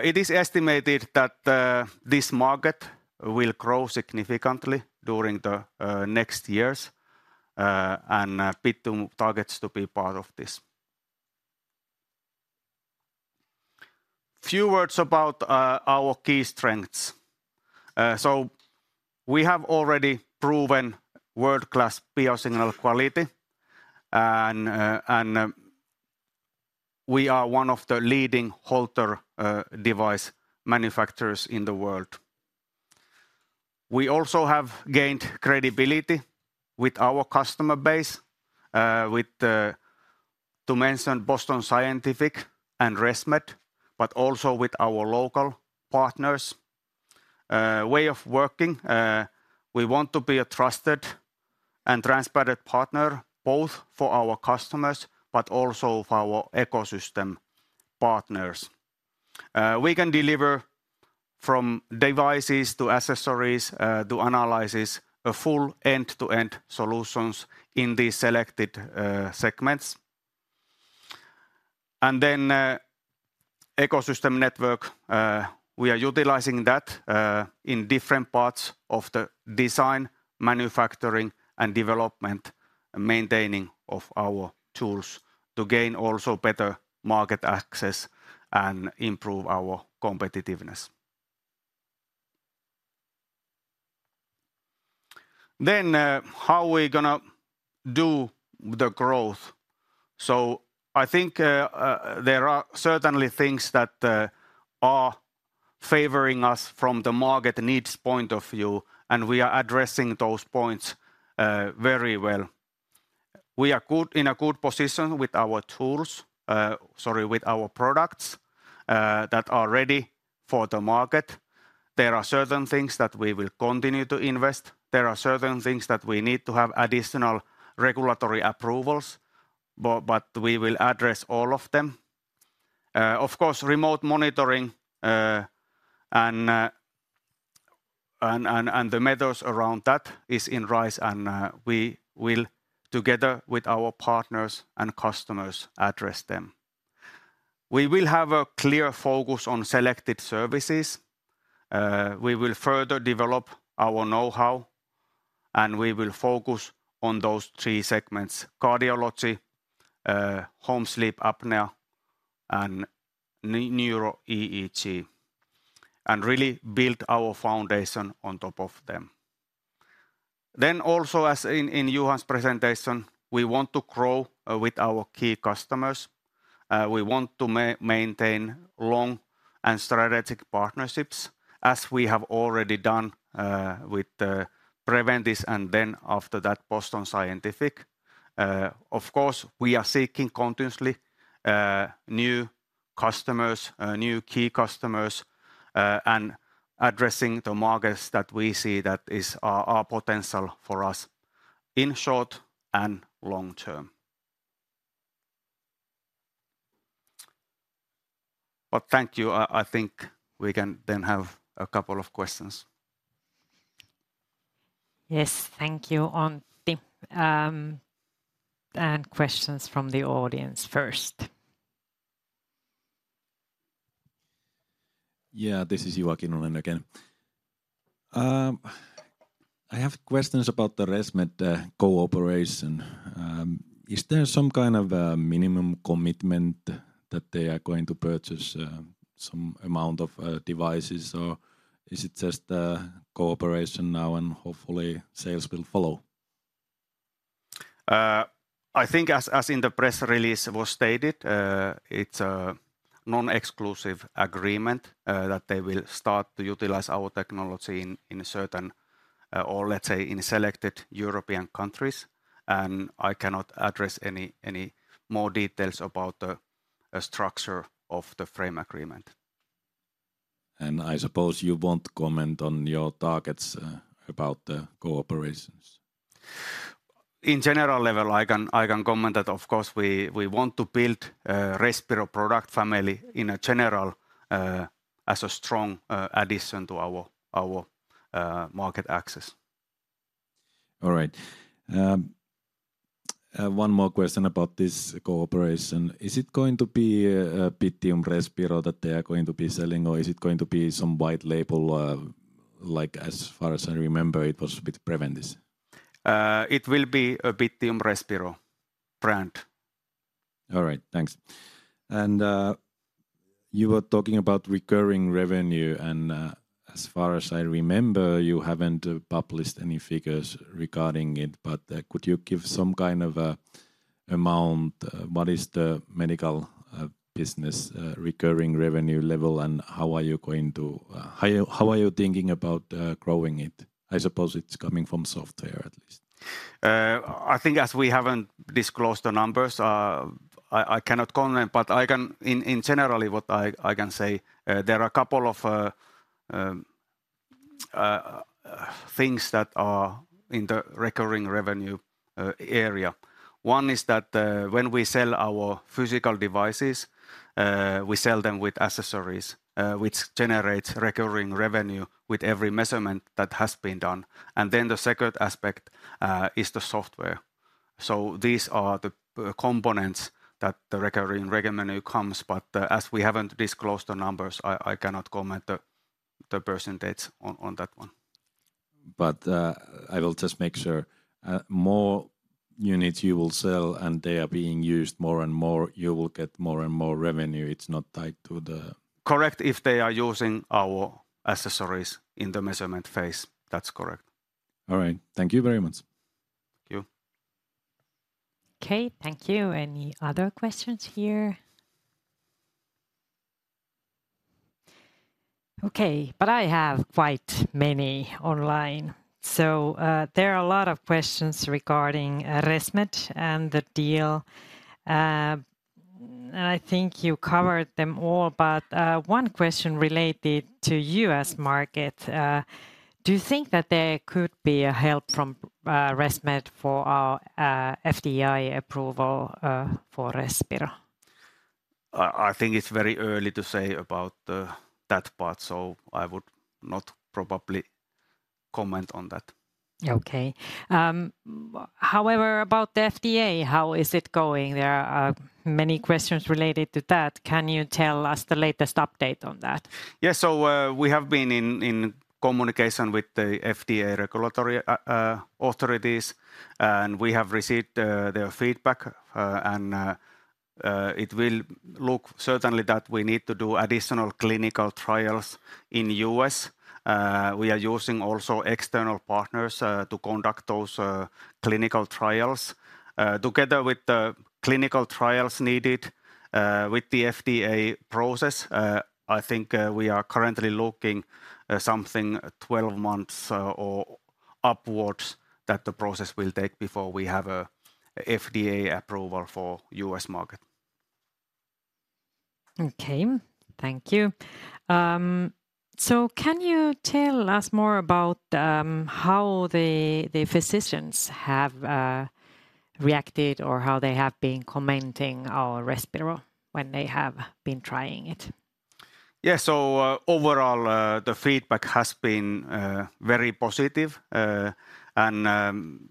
It is estimated that this market will grow significantly during the next years, and Bittium targets to be part of this. Few words about our key strengths. So we have already proven world-class biosignal quality, and we are one of the leading Holter device manufacturers in the world. We also have gained credibility with our customer base, with the, to mention Boston Scientific and ResMed, but also with our local partners. Way of working, we want to be a trusted and transparent partner, both for our customers, but also for our ecosystem partners. We can deliver from devices to accessories to analysis, a full end-to-end solutions in these selected segments. And then, ecosystem network, we are utilizing that in different parts of the design, manufacturing and development, and maintaining of our tools to gain also better market access and improve our competitiveness. Then, how are we gonna do the growth? So I think there are certainly things that are favoring us from the market needs point of view, and we are addressing those points very well. We are in a good position with our products that are ready for the market. There are certain things that we will continue to invest. There are certain things that we need to have additional regulatory approvals, but we will address all of them. Of course, remote monitoring and the methods around that is on the rise, and we will, together with our partners and customers, address them. We will have a clear focus on selected services. We will further develop our know-how, and we will focus on those three segments: cardiology, home sleep apnea, and neuro EEG, and really build our foundation on top of them. Then also, as in Johan’s presentation, we want to grow with our key customers. We want to maintain long and strategic partnerships, as we have already done with Preventice, and then after that, Boston Scientific. Of course, we are seeking continuously new customers, new key customers, and addressing the markets that we see that is our potential for us in short and long term. But thank you. I think we can then have a couple of questions. Yes, thank you, Antti. Questions from the audience first. Yeah, this is Joakim Lind again. I have questions about the ResMed cooperation. Is there some kind of a minimum commitment that they are going to purchase some amount of devices, or is it just a cooperation now, and hopefully sales will follow? I think as in the press release was stated, it's a non-exclusive agreement that they will start to utilize our technology in certain, or let's say in selected European countries, and I cannot address any more details about the structure of the frame agreement. I suppose you won't comment on your targets about the cooperations. In general level, I can comment that of course, we want to build a Respiro product family in a general, as a strong addition to our market access. All right. One more question about this cooperation. Is it going to be a Bittium Respiro that they are going to be selling, or is it going to be some white label, like as far as I remember, it was with Preventice? It will be a Bittium Respiro brand. All right, thanks. And, you were talking about recurring revenue, and, as far as I remember, you haven't published any figures regarding it, but, could you give some kind of a amount? What is the medical, business, recurring revenue level, and how are you going to... How are you, how are you thinking about, growing it? I suppose it's coming from software at least. I think as we haven't disclosed the numbers, I cannot comment, but I can... In general, what I can say, there are a couple of things that are in the recurring revenue area. One is that, when we sell our physical devices, we sell them with accessories, which generates recurring revenue with every measurement that has been done. And then the second aspect is the software. So these are the components that the recurring revenue comes, but, as we haven't disclosed the numbers, I cannot comment the percentage on that one. But, I will just make sure, more units you will sell, and they are being used more and more, you will get more and more revenue. It's not tied to the- Correct, if they are using our accessories in the measurement phase. That's correct. All right. Thank you very much. Thank you. Okay, thank you. Any other questions here?... Okay, but I have quite many online. So, there are a lot of questions regarding, ResMed and the deal. And I think you covered them all, but, one question related to U.S. market: do you think that there could be a help from, ResMed for our, FDA approval, for Respiro? I think it's very early to say about that part, so I would not probably comment on that. Okay. However, about the FDA, how is it going? There are many questions related to that. Can you tell us the latest update on that? Yeah, so, we have been in communication with the FDA regulatory authorities, and we have received their feedback. And it will look certainly that we need to do additional clinical trials in U.S. We are using also external partners to conduct those clinical trials. Together with the clinical trials needed with the FDA process, I think we are currently looking something 12 months or upwards, that the process will take before we have a FDA approval for U.S. market. Okay, thank you. So can you tell us more about how the physicians have reacted or how they have been commenting our Respiro when they have been trying it? Yeah, so, overall, the feedback has been very positive. And,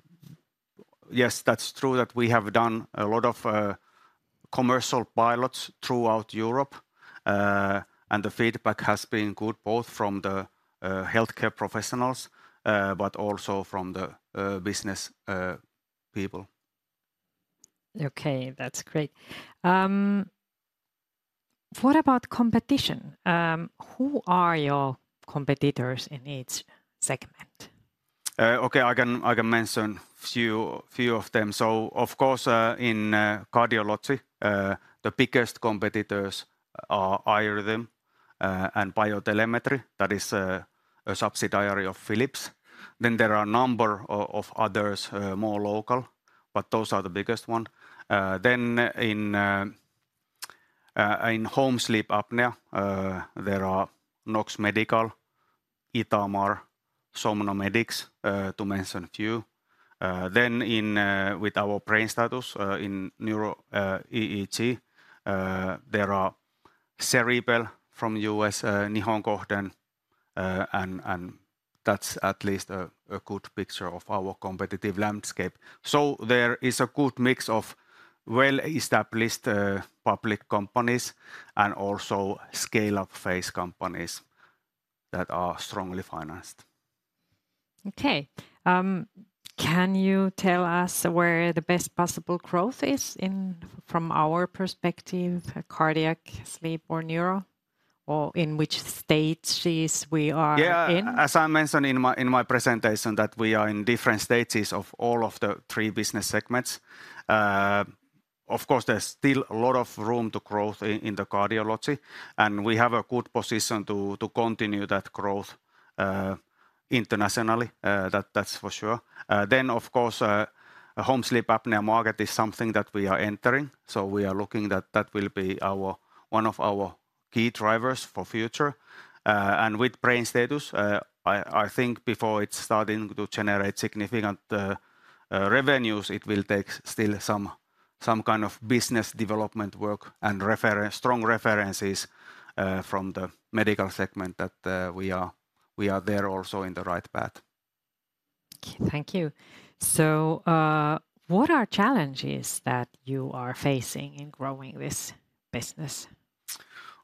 yes, that's true that we have done a lot of commercial pilots throughout Europe, and the feedback has been good, both from the healthcare professionals, but also from the business people. Okay, that's great. What about competition? Who are your competitors in each segment? Okay, I can mention a few of them. So of course, in cardiology, the biggest competitors are iRhythm and BioTelemetry, that is, a subsidiary of Philips. Then there are a number of others, more local, but those are the biggest one. Then in home sleep apnea, there are Nox Medical, Itamar, SOMNOmedics, to mention a few. Then with our BrainStatus, in neuro EEG, there are Ceribell from U.S., Nihon Kohden, and that's at least a good picture of our competitive landscape. So there is a good mix of well-established public companies and also scale-up phase companies that are strongly financed. Okay. Can you tell us where the best possible growth is in, from our perspective, cardiac, sleep or neuro, or in which stages we are in? Yeah, as I mentioned in my presentation, that we are in different stages of all of the three business segments. Of course, there's still a lot of room to growth in the cardiology, and we have a good position to continue that growth internationally, that's for sure. Then, of course, home sleep apnea market is something that we are entering, so we are looking that that will be our one of our key drivers for future. And with BrainStatus, I think before it's starting to generate significant revenues, it will take still some kind of business development work and strong references from the medical segment that we are there also in the right path. Thank you. What are challenges that you are facing in growing this business?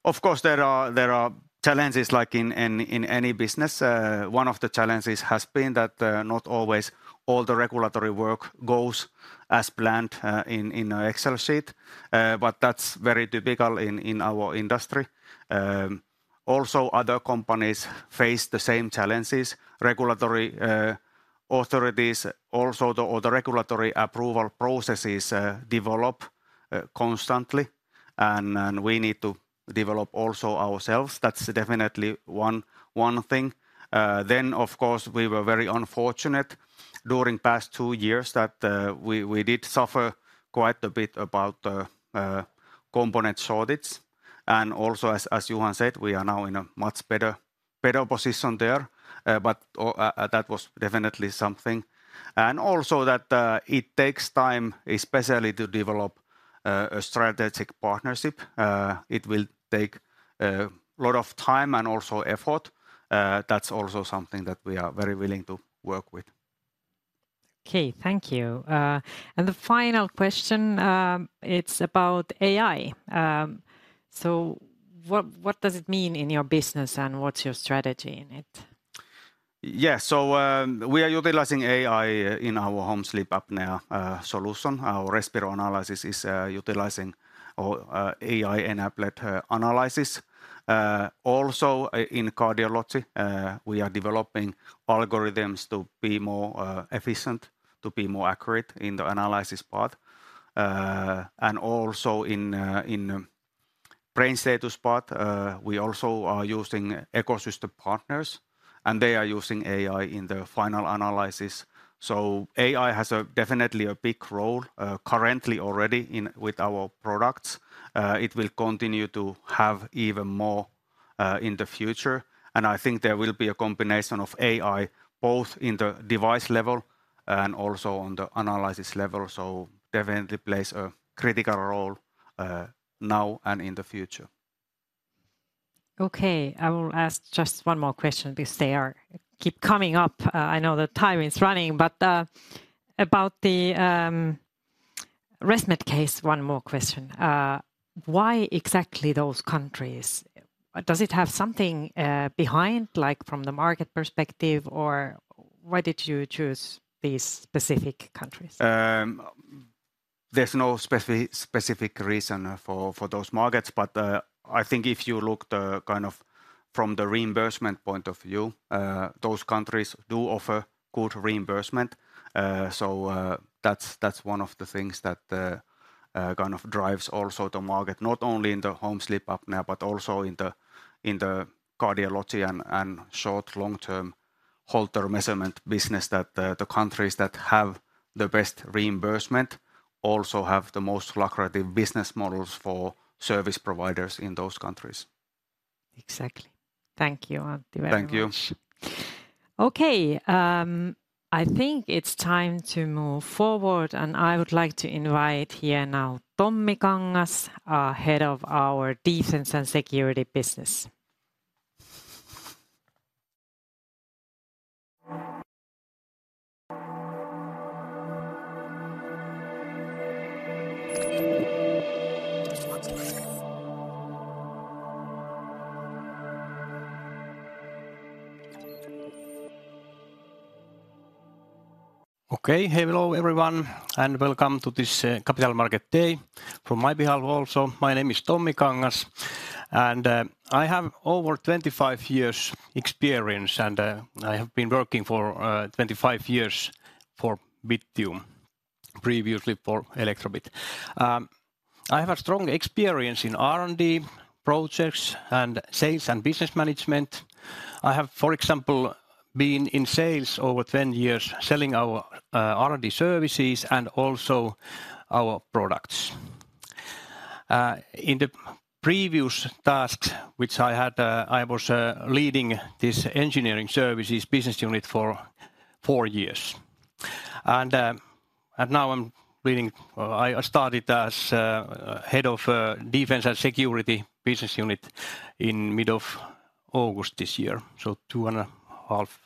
Of course, there are challenges like in any business. One of the challenges has been that not always all the regulatory work goes as planned in a Excel sheet, but that's very typical in our industry. Also, other companies face the same challenges. Regulatory authorities also the all the regulatory approval processes develop constantly, and we need to develop also ourselves. That's definitely one thing. Then, of course, we were very unfortunate during past two years that we did suffer quite a bit about the component shortage. And also, as Johan said, we are now in a much better position there, but that was definitely something. And also, that it takes time, especially to develop a strategic partnership. It will take a lot of time and also effort. That's also something that we are very willing to work with. Okay, thank you. And the final question, it's about AI. So what, what does it mean in your business, and what's your strategy in it? Yeah, so, we are utilizing AI in our home sleep apnea solution. Our Respiro analysis is utilizing AI-enabled analysis. Also, in cardiology, we are developing algorithms to be more efficient, to be more accurate in the analysis part. And also in BrainStatus part, we also are using ecosystem partners, and they are using AI in the final analysis. So AI has a definitely a big role currently already in with our products. It will continue to have even more in the future, and I think there will be a combination of AI, both in the device level and also on the analysis level. So definitely plays a critical role now and in the future. Okay. I will ask just one more question because they are keep coming up. I know the time is running, but about the ResMed case, one more question. Why exactly those countries? Does it have something behind, like from the market perspective, or why did you choose these specific countries? There's no specific reason for those markets, but I think if you look kind of from the reimbursement point of view, those countries do offer good reimbursement. So, that's one of the things that kind of drives also the market, not only in the home sleep apnea, but also in the cardiology and short- and long-term Holter measurement business, that the countries that have the best reimbursement also have the most lucrative business models for service providers in those countries. Exactly. Thank you, Antti, very much. Thank you. Okay, I think it's time to move forward, and I would like to invite here now Tommi Kangas, our head of our Defense and Security business. Okay. Hello, everyone, and welcome to this Capital Markets Day from my behalf also. My name is Tommi Kangas, and I have over 25 years experience, and I have been working for 25 years for Bittium, previously for Elektrobit. I have a strong experience in R&D projects and sales and business management. I have, for example, been in sales over 10 years, selling our R&D services and also our products. In the previous task which I had, I was leading this Engineering Services business unit for four years. And now I'm leading. I started as head of Defense and Security business unit in mid of August this year, so 2.5 months.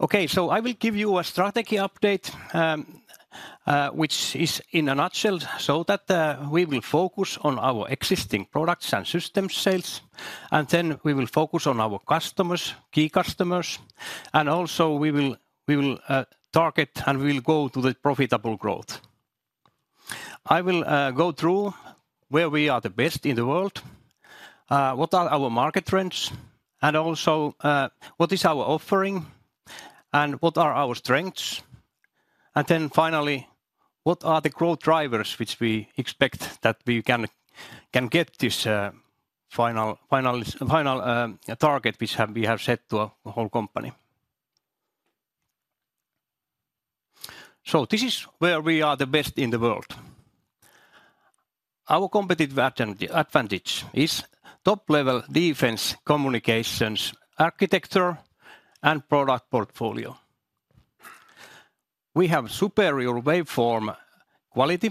Okay, so I will give you a strategy update, which is in a nutshell, so that we will focus on our existing products and system sales, and then we will focus on our customers, key customers, and also we will target, and we will go to the profitable growth. I will go through where we are the best in the world, what are our market trends, and also what is our offering, and what are our strengths. And then finally, what are the growth drivers which we expect that we can get this final target, which we have set for the whole company. So this is where we are the best in the world. Our competitive advantage is top-level defense communications architecture and product portfolio. We have superior waveform quality.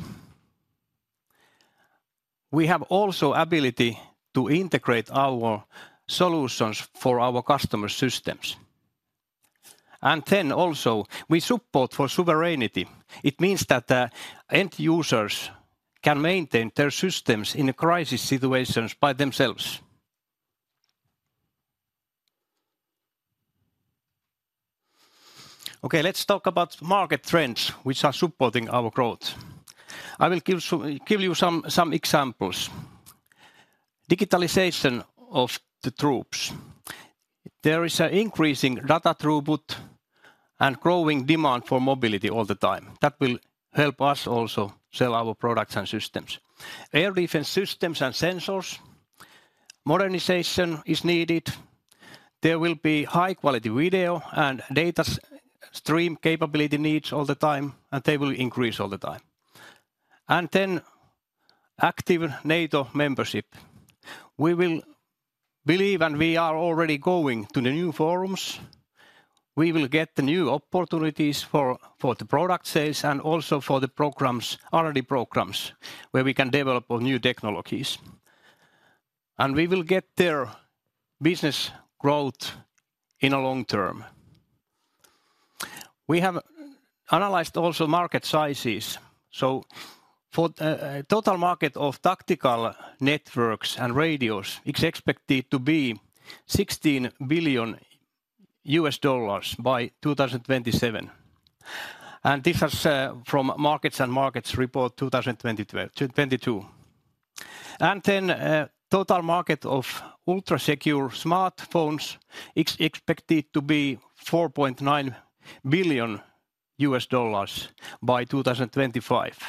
We have also ability to integrate our solutions for our customer systems. And then also, we support for sovereignty. It means that end users can maintain their systems in a crisis situations by themselves. Okay, let's talk about market trends which are supporting our growth. I will give you some examples. Digitalization of the troops. There is an increasing data throughput and growing demand for mobility all the time. That will help us also sell our products and systems. Air defense systems and sensors, modernization is needed. There will be high-quality video and data stream capability needs all the time, and they will increase all the time. And then active NATO membership. We will believe, and we are already going to the new forums. We will get the new opportunities for, for the product sales and also for the programs, R&D programs, where we can develop on new technologies. And we will get their business growth in a long term. We have analyzed also market sizes, so for total market of tactical networks and radios, it's expected to be $16 billion by 2027, and this is from MarketsandMarkets report 2022. And then total market of ultra-secure smartphones, it's expected to be $4.9 billion by 2025.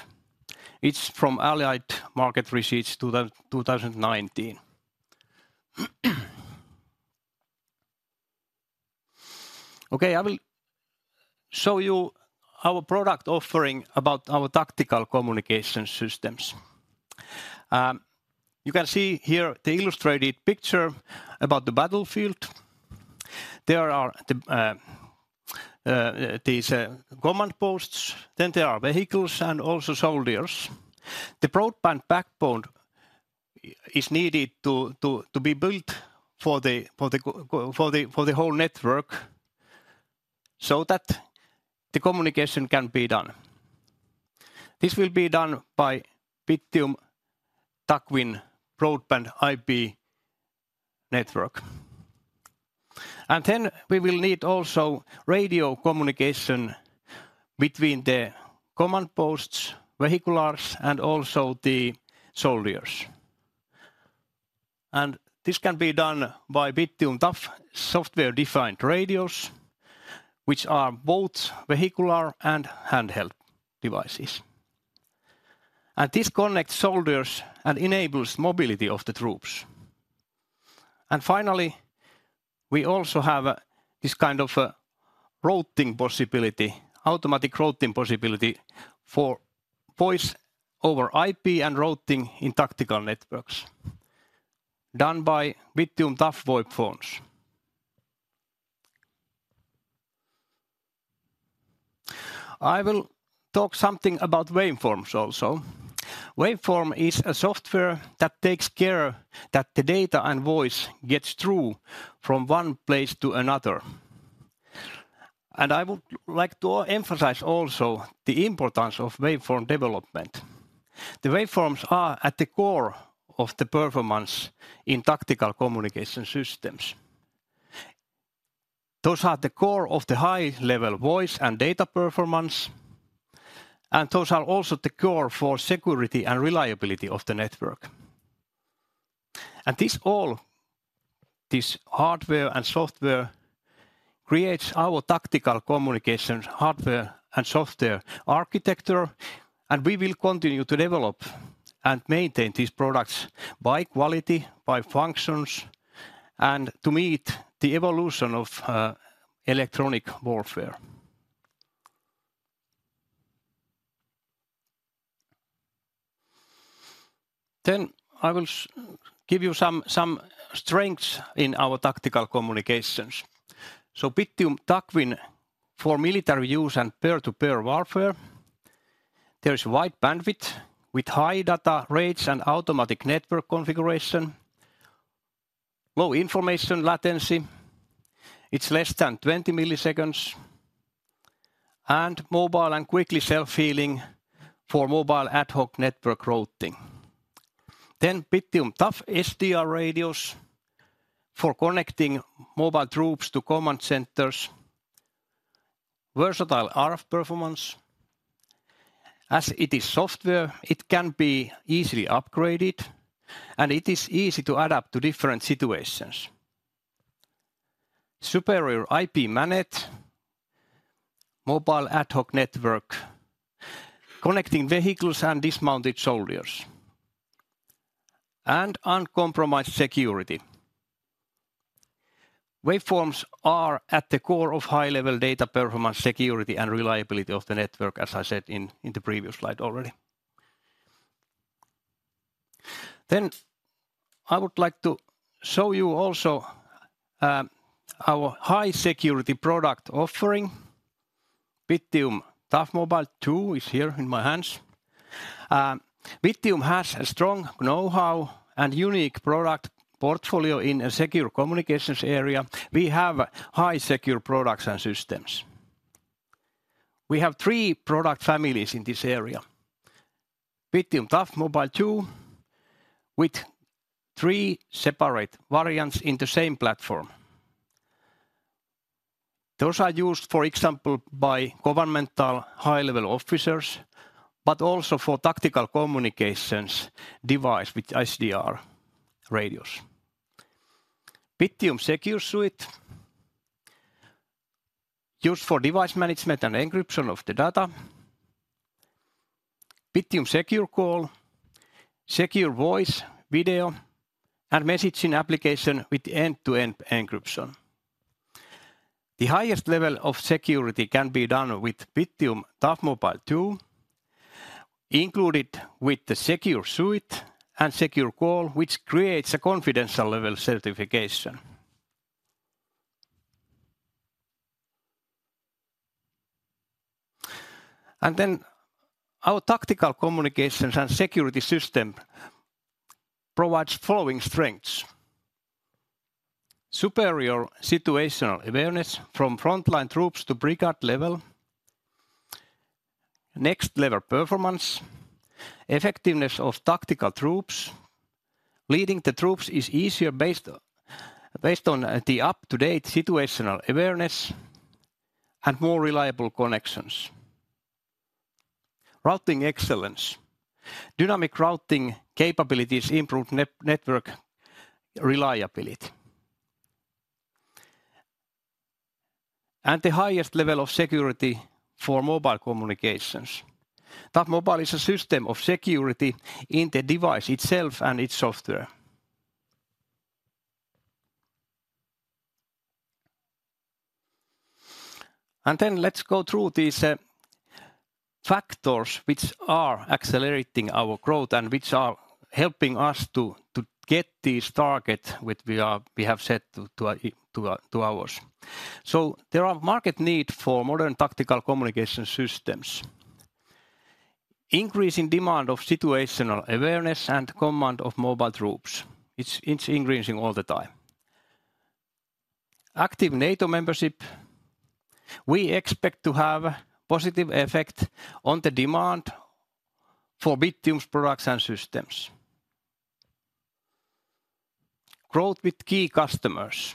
It's from Allied Market Research 2019. Okay, I will show you our product offering about our tactical communication systems. You can see here the illustrated picture about the battlefield. There are these command posts, then there are vehicles, and also soldiers. The broadband backbone is needed to be built for the whole network, so that the communication can be done. This will be done by Bittium TAC WIN Broadband IP network. And then we will need also radio communication between the command posts, vehicular, and also the soldiers. And this can be done by Bittium Tough software-defined radios, which are both vehicular and handheld devices. And this connects soldiers and enables mobility of the troops. And finally, we also have this kind of routing possibility, automatic routing possibility for voice over IP and routing in tactical networks done by Bittium Tough VoIP phones. I will talk something about waveforms also. Waveform is a software that takes care that the data and voice gets through from one place to another. And I would like to emphasize also the importance of waveform development. The waveforms are at the core of the performance in tactical communication systems. Those are the core of the high-level voice and data performance, and those are also the core for security and reliability of the network. And this all, this hardware and software, creates our tactical communications hardware and software architecture, and we will continue to develop and maintain these products by quality, by functions, and to meet the evolution of electronic warfare. Then I will give you some strengths in our tactical communications. So Bittium TAC WIN for military use and peer-to-peer warfare, there is wide bandwidth with high data rates and automatic network configuration, low information latency, it's less than 20 milliseconds, and mobile and quickly self-healing for mobile ad hoc network routing. Then, Bittium Tough SDR radios for connecting mobile troops to command centers. Versatile RF performance. As it is software, it can be easily upgraded, and it is easy to adapt to different situations. Superior IP MANET, mobile ad hoc network, connecting vehicles and dismounted soldiers, and uncompromised security. Waveforms are at the core of high-level data performance, security, and reliability of the network, as I said in the previous slide already. Then, I would like to show you also our high-security product offering, Bittium Tough Mobile 2 is here in my hands. Bittium has a strong know-how and unique product portfolio in the secure communications area. We have high secure products and systems. We have three product families in this area. Bittium Tough Mobile 2, with three separate variants in the same platform. Those are used, for example, by governmental high-level officers, but also for tactical communications device with SDR radios. Bittium Secure Suite, used for device management and encryption of the data. Bittium Secure Call, secure voice, video, and messaging application with end-to-end encryption. The highest level of security can be done with Bittium Tough Mobile 2, included with the Secure Suite and Secure Call, which creates a confidential level certification. And then our tactical communications and security system provides following strengths: superior situational awareness from frontline troops to brigade level, next-level performance, effectiveness of tactical troops, leading the troops is easier based on the up-to-date situational awareness, and more reliable connections. Routing excellence. Dynamic routing capabilities improve network reliability. The highest level of security for mobile communications. That mobile is a system of security in the device itself and its software. Then let's go through these factors which are accelerating our growth and which are helping us to get this target which we have set to ours. There are market need for modern tactical communication systems. Increasing demand of situational awareness and command of mobile troops. It's increasing all the time. Active NATO membership, we expect to have positive effect on the demand for Bittium's products and systems. Growth with key customers.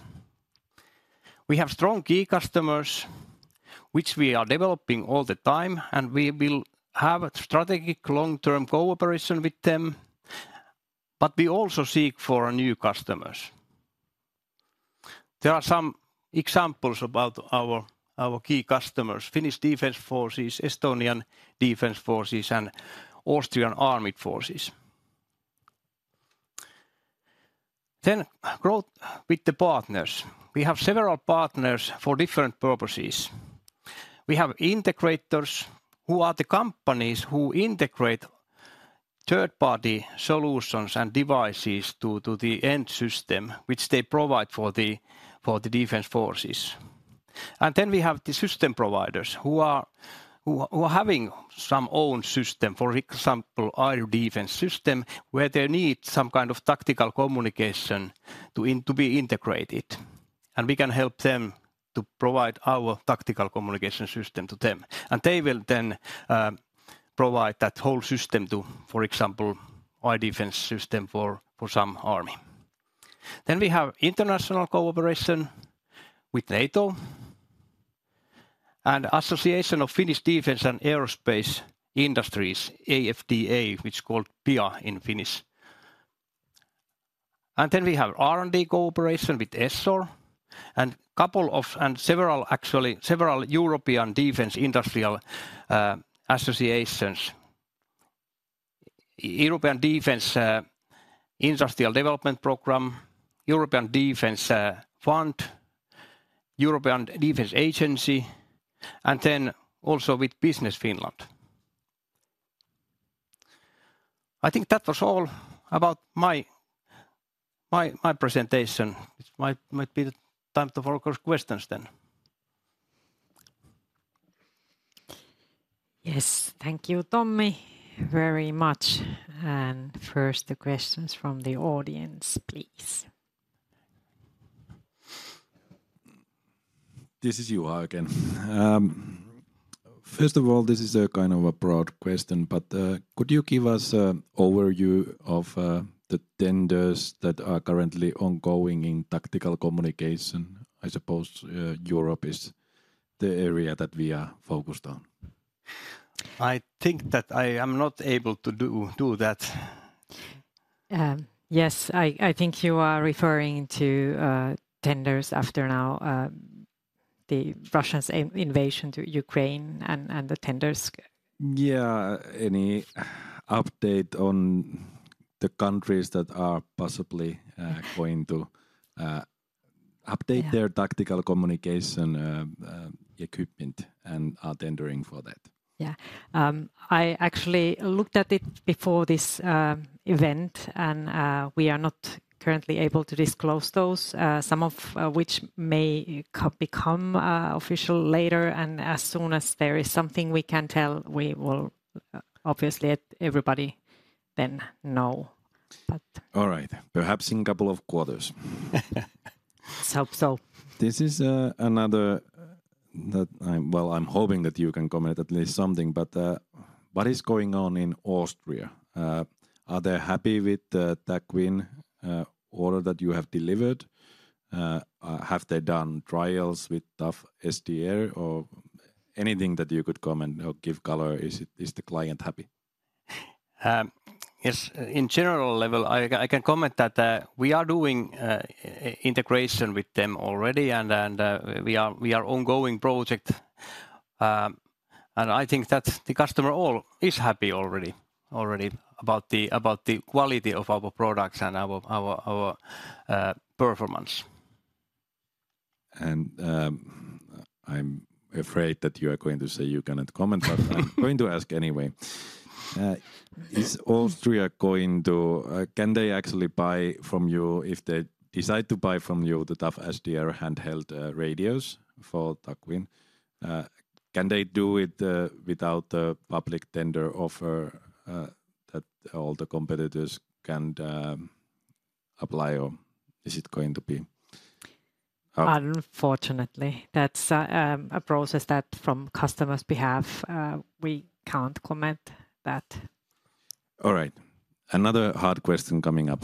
We have strong key customers which we are developing all the time, and we will have a strategic long-term cooperation with them, but we also seek for new customers. There are some examples about our key customers: Finnish Defence Forces, Estonian Defence Forces, and Austrian Armed Forces. Then growth with the partners. We have several partners for different purposes. We have integrators, who are the companies who integrate third-party solutions and devices to the end system, which they provide for the defense forces. And then we have the system providers, who are having some own system, for example, air defense system, where they need some kind of tactical communication to be integrated, and we can help them to provide our tactical communication system to them. And they will then provide that whole system to, for example, air defense system for some army. Then we have international cooperation with NATO and Association of Finnish Defence and Aerospace Industries, AFDA, which called PIA in Finnish. And then we have R&D cooperation with ESSOR, and several, actually, several European defense industrial associations:European Defence Industrial Development Programme, European Defence Fund, European Defence Agency, and then also with Business Finland. I think that was all about my presentation. It might be the time for questions then. Yes, thank you, Tommi, very much, and first, the questions from the audience, please. This is Joakim again. First of all, this is a kind of a broad question, but, could you give us a overview of the tenders that are currently ongoing in tactical communication? I suppose, Europe is the area that we are focused on. I think that I am not able to do that. Yes, I think you are referring to tenders after now, the Russians' invasion to Ukraine and the tenders. Yeah, any update on the countries that are possibly going to update- Yeah... their tactical communication equipment and are tendering for that? Yeah. I actually looked at it before this event, and we are not currently able to disclose those, some of which may become official later. As soon as there is something we can tell, we will obviously let everybody then know. But- All right. Perhaps in couple of quarters. Let's hope so. This is another that I'm... Well, I'm hoping that you can comment at least something, but what is going on in Austria? Are they happy with the TAC WIN order that you have delivered? Have they done trials with Tough SDR or anything that you could comment or give color? Is the client happy? Yes, in general level, I can comment that we are doing integration with them already, and we are ongoing project. And I think that the customer all is happy already about the quality of our products and our performance. I'm afraid that you are going to say you cannot comment, but I'm going to ask anyway. Is Austria going to? Can they actually buy from you, if they decide to buy from you, the Tough SDR handheld radios for TAC WIN? Can they do it without a public tender offer that all the competitors can apply, or is it going to be- Unfortunately, that's a process that, from customer's behalf, we can't comment that. All right, another hard question coming up.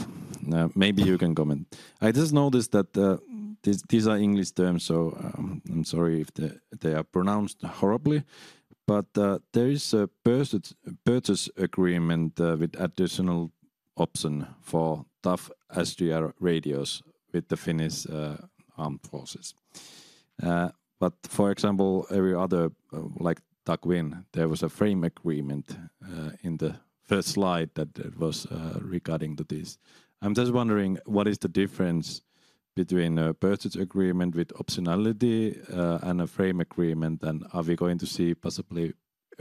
Maybe you can comment. I just noticed that, these, these are English terms, so, I'm sorry if they, they are pronounced horribly, but, there is a purchase, purchase agreement, with additional option for Tough SDR radios with the Finnish, armed forces. But for example, every other, like TAC WIN, there was a frame agreement, in the first slide that was, regarding to this. I'm just wondering, what is the difference between a purchase agreement with optionality, and a frame agreement, and are we going to see possibly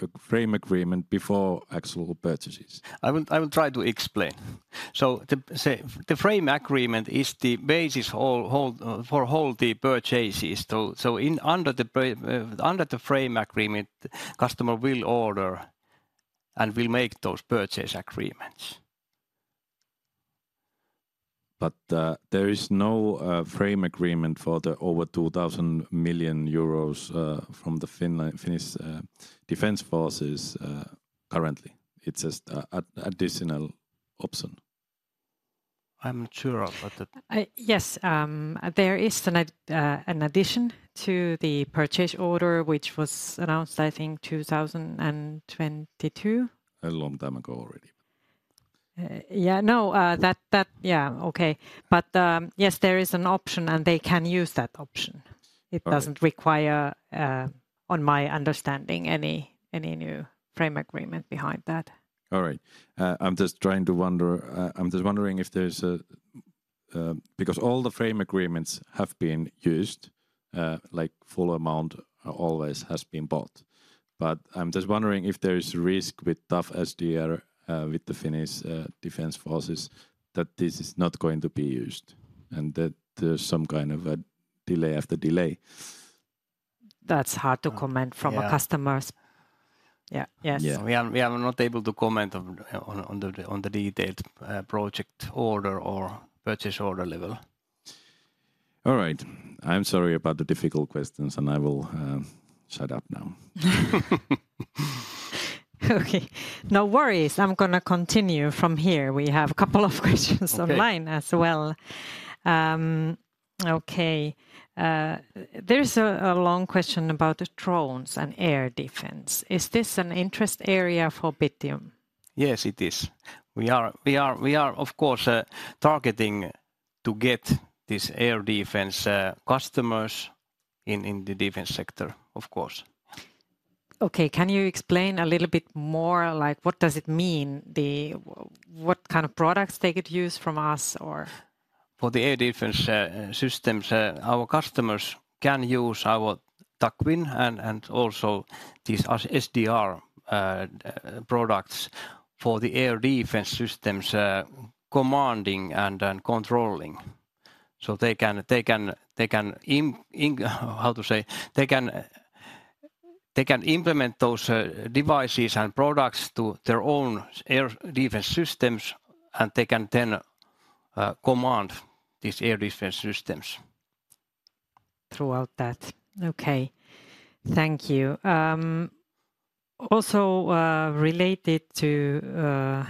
a frame agreement before actual purchases? I will try to explain. So the, say, the frame agreement is the basis for the purchases. So under the frame agreement, customer will order and will make those purchase agreements. But there is no frame agreement for the over 2,000 million euros from the Finnish Defence Forces currently. It's just an additional option. I'm not sure about that. Yes, there is an addition to the purchase order, which was announced, I think, 2022. A long time ago already. Yeah, no, that. Yeah, okay. But, yes, there is an option, and they can use that option. Okay. It doesn't require, on my understanding, any new frame agreement behind that. All right. I'm just wondering if there's a... Because all the frame agreements have been used, like full amount always has been bought. But I'm just wondering if there is risk with Tough SDR, with the Finnish Defence Forces, that this is not going to be used, and that there's some kind of a delay after delay. That's hard to comment. Yeah... from a customer's, yeah. Yes. Yeah. We are not able to comment on the detailed project order or purchase order level. All right. I'm sorry about the difficult questions, and I will shut up now. Okay, no worries. I'm gonna continue from here. We have a couple of questions- Okay... online as well. Okay. There's a long question about the drones and air defense. Is this an interest area for Bittium? Yes, it is. We are, of course, targeting to get these air defense customers in the defense sector, of course. Okay, can you explain a little bit more, like, what does it mean, the what kind of products they could use from us, or? For the air defense systems, our customers can use our TAC WIN and also these as SDR products for the air defense systems commanding and then controlling. So they can implement those devices and products to their own air defense systems, and they can then command these air defense systems. Throughout that. Okay, thank you. Also, related to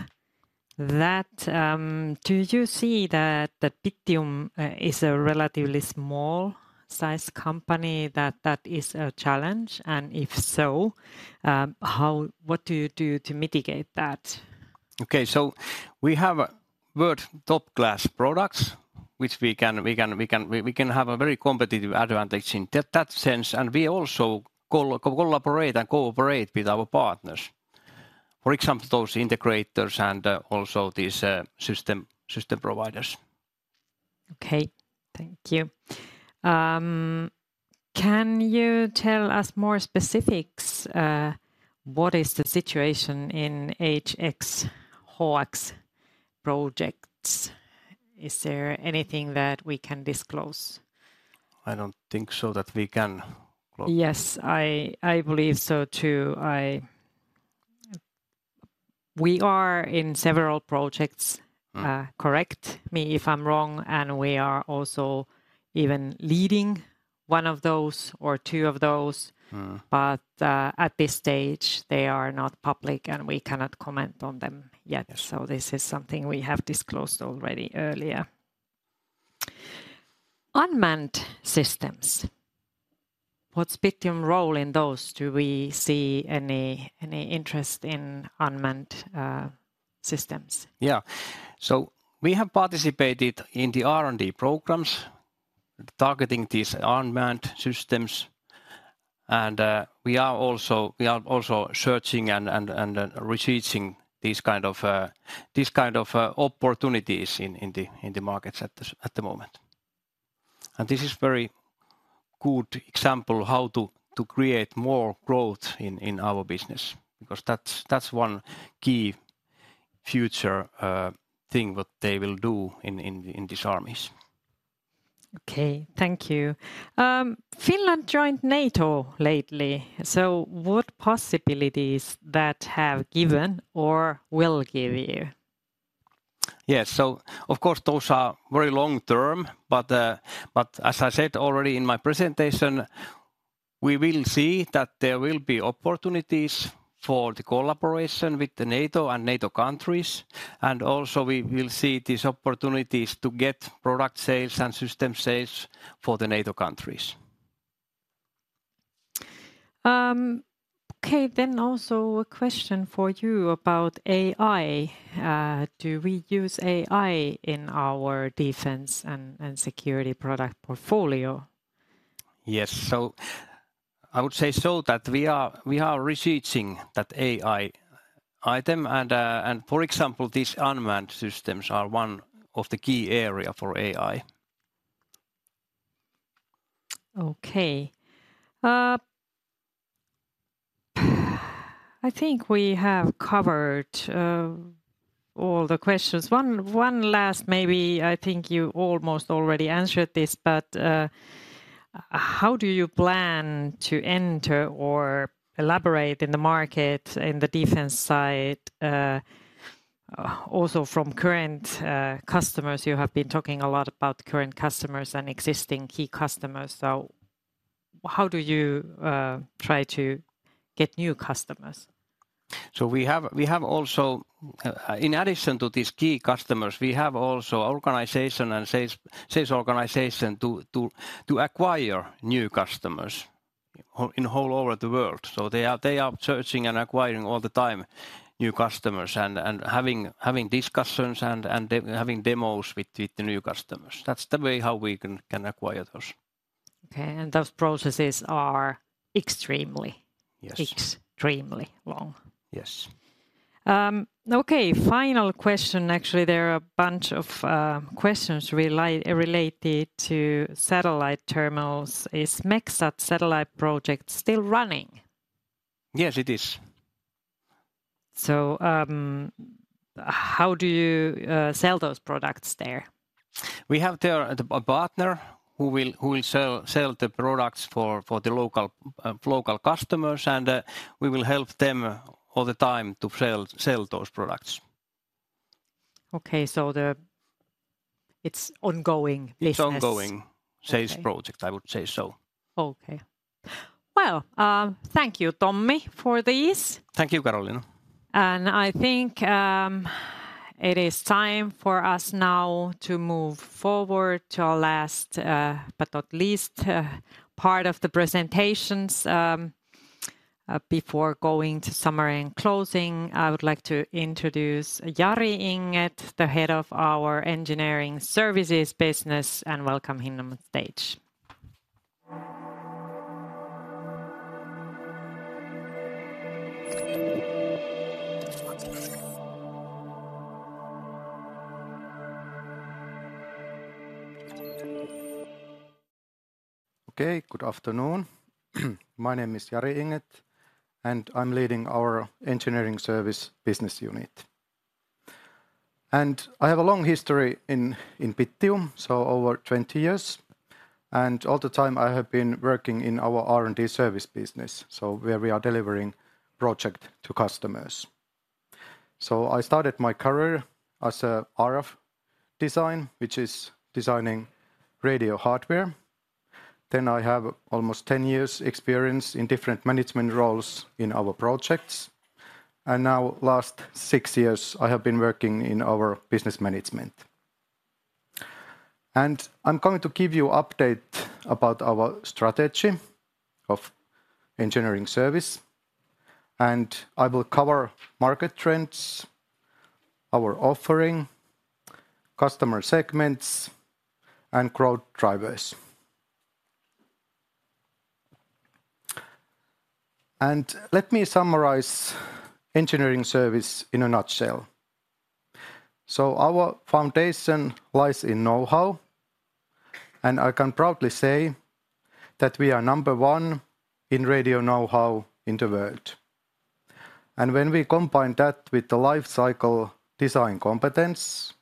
that, do you see that Bittium is a relatively small-sized company, that is a challenge? And if so, how... What do you do to mitigate that? Okay, so we have world top-class products, which we can have a very competitive advantage in that sense, and we also collaborate and cooperate with our partners. For example, those integrators and also these system providers. Okay, thank you. Can you tell us more specifics, what is the situation in HX projects? Is there anything that we can disclose? I don't think so, that we can disclose. Yes, I believe so, too. I... We are in several projects- Mm. Correct me if I'm wrong, and we are also even leading one of those or two of those. Mm. At this stage, they are not public, and we cannot comment on them yet. Yes. This is something we have disclosed already earlier. Unmanned systems, what's Bittium role in those? Do we see any interest in unmanned systems? Yeah. So we have participated in the R&D programs- Mm... targeting these unmanned systems, and we are also searching and researching these kind of opportunities in the markets at the moment. And this is very good example how to create more growth in our business, because that's one key future thing what they will do in these armies. Okay, thank you. Finland joined NATO lately, so what possibilities that have given or will give you? Yes, so of course, those are very long term, but, but as I said already in my presentation, we will see that there will be opportunities for the collaboration with the NATO and NATO countries, and also we will see these opportunities to get product sales and system sales for the NATO countries. Okay, then also a question for you about AI. Do we use AI in our defense and security product portfolio? Yes, so I would say so, that we are researching that AI item, and for example, these unmanned systems are one of the key area for AI. Okay. I think we have covered all the questions. One, one last maybe I think you almost already answered this, but how do you plan to enter or elaborate in the market in the defense side, also from current customers? You have been talking a lot about current customers and existing key customers, so how do you try to get new customers? So we have also, in addition to these key customers, we have also organization and sales organization to acquire new customers in all over the world. So they are searching and acquiring all the time new customers and having discussions and having demos with the new customers. That's the way how we can acquire those. Okay, and those processes are extremely- Yes... extremely long. Yes. Okay, final question. Actually, there are a bunch of questions related to satellite terminals. Is MEXSAT satellite project still running? Yes, it is. How do you sell those products there? We have there a partner who will sell the products for the local customers, and we will help them all the time to sell those products. Okay, so it's ongoing business. It's ongoing- Okay... sales project, I would say so. Okay. Well, thank you, Tommy, for this. Thank you, Karoliina. I think it is time for us now to move forward to our last, but not least, part of the presentations, before going to summary and closing. I would like to introduce Jari Inget, the head of our Engineering Services business, and welcome him on stage. Okay, good afternoon. My name is Jari Inget, and I'm leading our engineering service business unit. I have a long history in Bittium, so over 20 years, and all the time I have been working in our R&D service business, so where we are delivering project to customers. I started my career as a RF design, which is designing radio hardware. Then I have almost 10 years' experience in different management roles in our projects, and now last six years, I have been working in our business management. I'm going to give you update about our strategy of engineering service, and I will cover market trends, our offering, customer segments, and growth drivers. Let me summarize engineering service in a nutshell. Our foundation lies in know-how, and I can proudly say that we are number one in radio know-how in the world. And when we combine that with the life cycle design competence,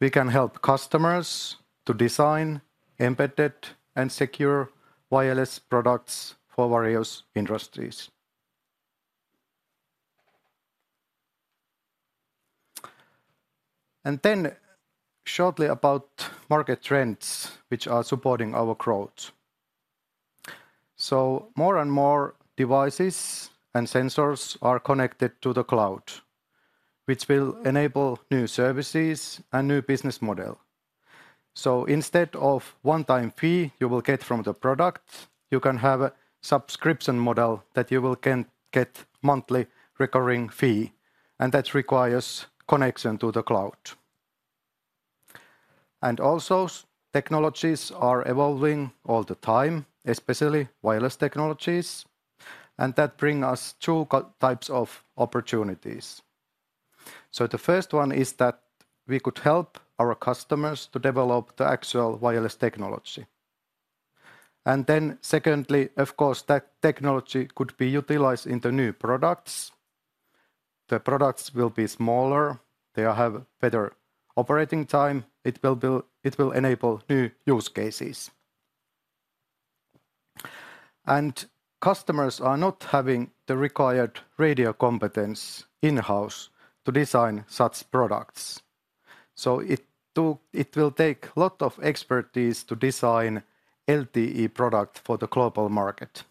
we can help customers to design embedded and secure wireless products for various industries. And then shortly about market trends, which are supporting our growth. So more and more devices and sensors are connected to the cloud, which will enable new services and new business model. So instead of one-time fee you will get from the product, you can have a subscription model that you will can get monthly recurring fee, and that requires connection to the cloud. And also, technologies are evolving all the time, especially wireless technologies, and that bring us two co- types of opportunities. So the first one is that we could help our customers to develop the actual wireless technology. And then secondly, of course, that technology could be utilized in the new products. The products will be smaller, they are have better operating time. It will enable new use cases... and customers are not having the required radio competence in-house to design such products. So it will take lot of expertise to design LTE product for the global market.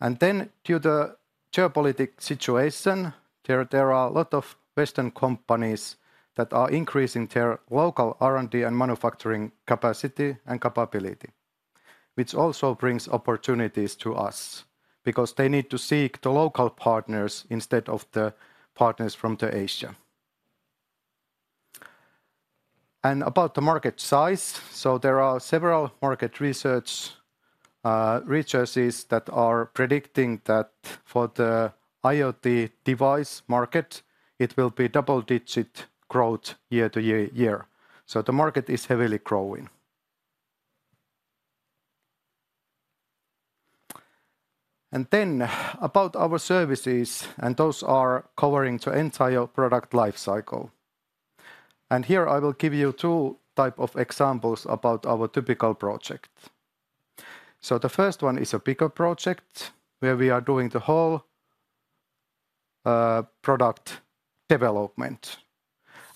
And then, due to the geopolitical situation, there are a lot of Western companies that are increasing their local R&D and manufacturing capacity and capability, which also brings opportunities to us, because they need to seek the local partners instead of the partners from Asia. And about the market size, so there are several market research, researches that are predicting that for the IoT device market, it will be double-digit growth year to year. So the market is heavily growing. And then, about our services, and those are covering the entire product life cycle. Here, I will give you two types of examples about our typical project. The first one is a bigger project, where we are doing the whole product development.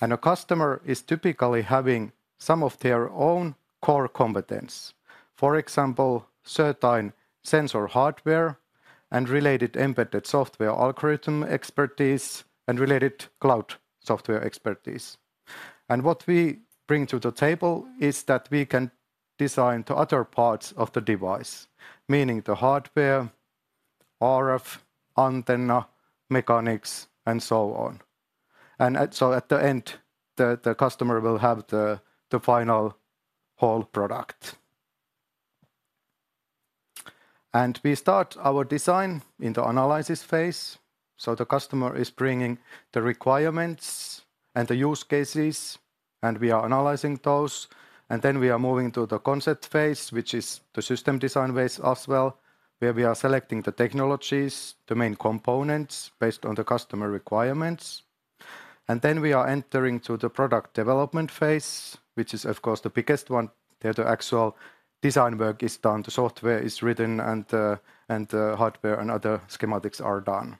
A customer is typically having some of their own core competence, for example, certain sensor hardware and related embedded software algorithm expertise, and related cloud software expertise. What we bring to the table is that we can design the other parts of the device, meaning the hardware, RF, antenna, mechanics, and so on. At the end, the customer will have the final whole product. We start our design in the analysis phase, so the customer is bringing the requirements and the use cases, and we are analyzing those. And then we are moving to the concept phase, which is the system design phase as well, where we are selecting the technologies, the main components, based on the customer requirements. And then we are entering to the product development phase, which is, of course, the biggest one, where the actual design work is done, the software is written, and the hardware and other schematics are done.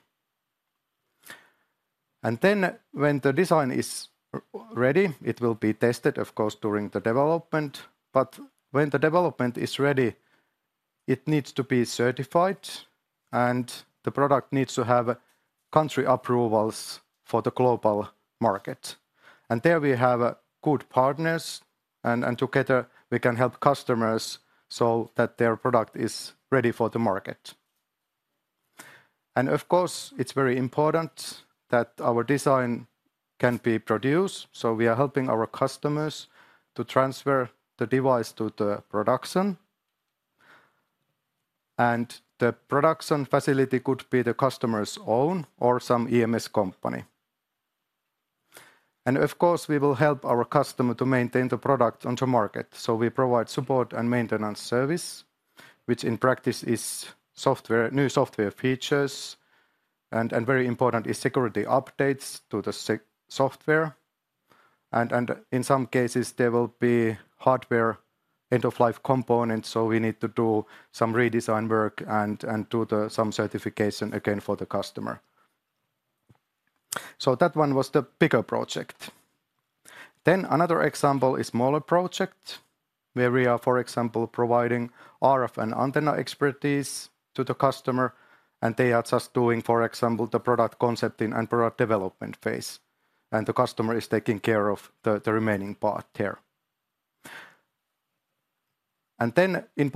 And then, when the design is ready, it will be tested, of course, during the development. But when the development is ready, it needs to be certified, and the product needs to have country approvals for the global market. And there we have good partners, and together, we can help customers so that their product is ready for the market. Of course, it's very important that our design can be produced, so we are helping our customers to transfer the device to the production. The production facility could be the customer's own or some EMS company. Of course, we will help our customer to maintain the product on the market. So we provide support and maintenance service, which in practice is software, new software features, and very important is security updates to the software. And in some cases, there will be hardware end-of-life components, so we need to do some redesign work and do some certification again for the customer. So that one was the bigger project. Then another example is smaller project, where we are, for example, providing RF and antenna expertise to the customer, and they are just doing, for example, the product concepting and product development phase, and the customer is taking care of the, the remaining part there. And then, we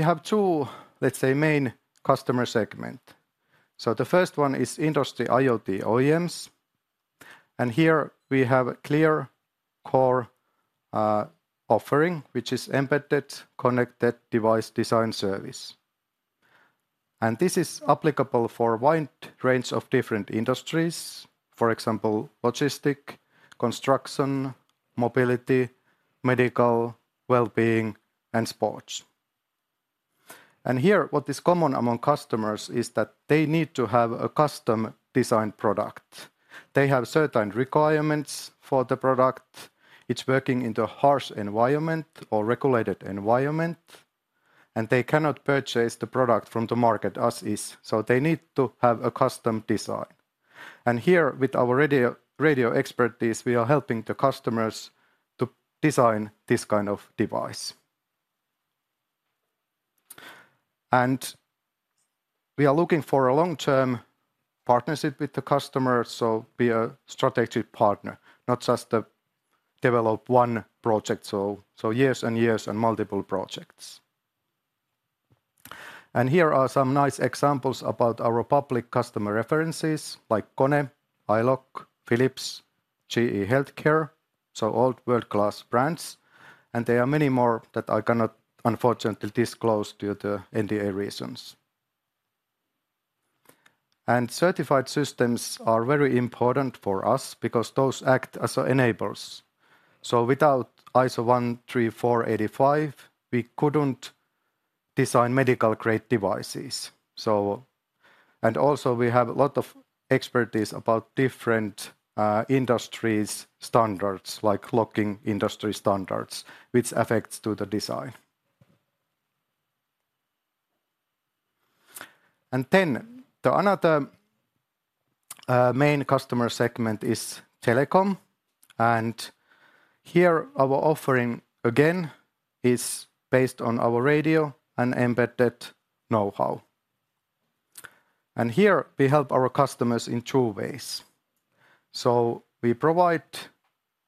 have two, let's say, main customer segment. So the first one is industry IoT OEMs, and here we have a clear core, offering, which is embedded connected device design service. And this is applicable for a wide range of different industries, for example, logistic, construction, mobility, medical, well-being, and sports. And here, what is common among customers is that they need to have a custom-designed product. They have certain requirements for the product. It's working in the harsh environment or regulated environment, and they cannot purchase the product from the market as is, so they need to have a custom design. Here, with our radio, radio expertise, we are helping the customers to design this kind of device. We are looking for a long-term partnership with the customer, so be a strategic partner, not just to develop one project, so, so years and years and multiple projects. Here are some nice examples about our public customer references, like KONE, iLOQ, Philips, GE Healthcare, so all world-class brands, and there are many more that I cannot, unfortunately, disclose due to NDA reasons. Certified systems are very important for us because those act as enablers. So without ISO 13485, we couldn't design medical-grade devices. And also, we have a lot of expertise about different industries' standards, like locking industry standards, which affects to the design. And then another main customer segment is telecom, and here our offering, again, is based on our radio and embedded know-how. And here, we help our customers in two ways. So we provide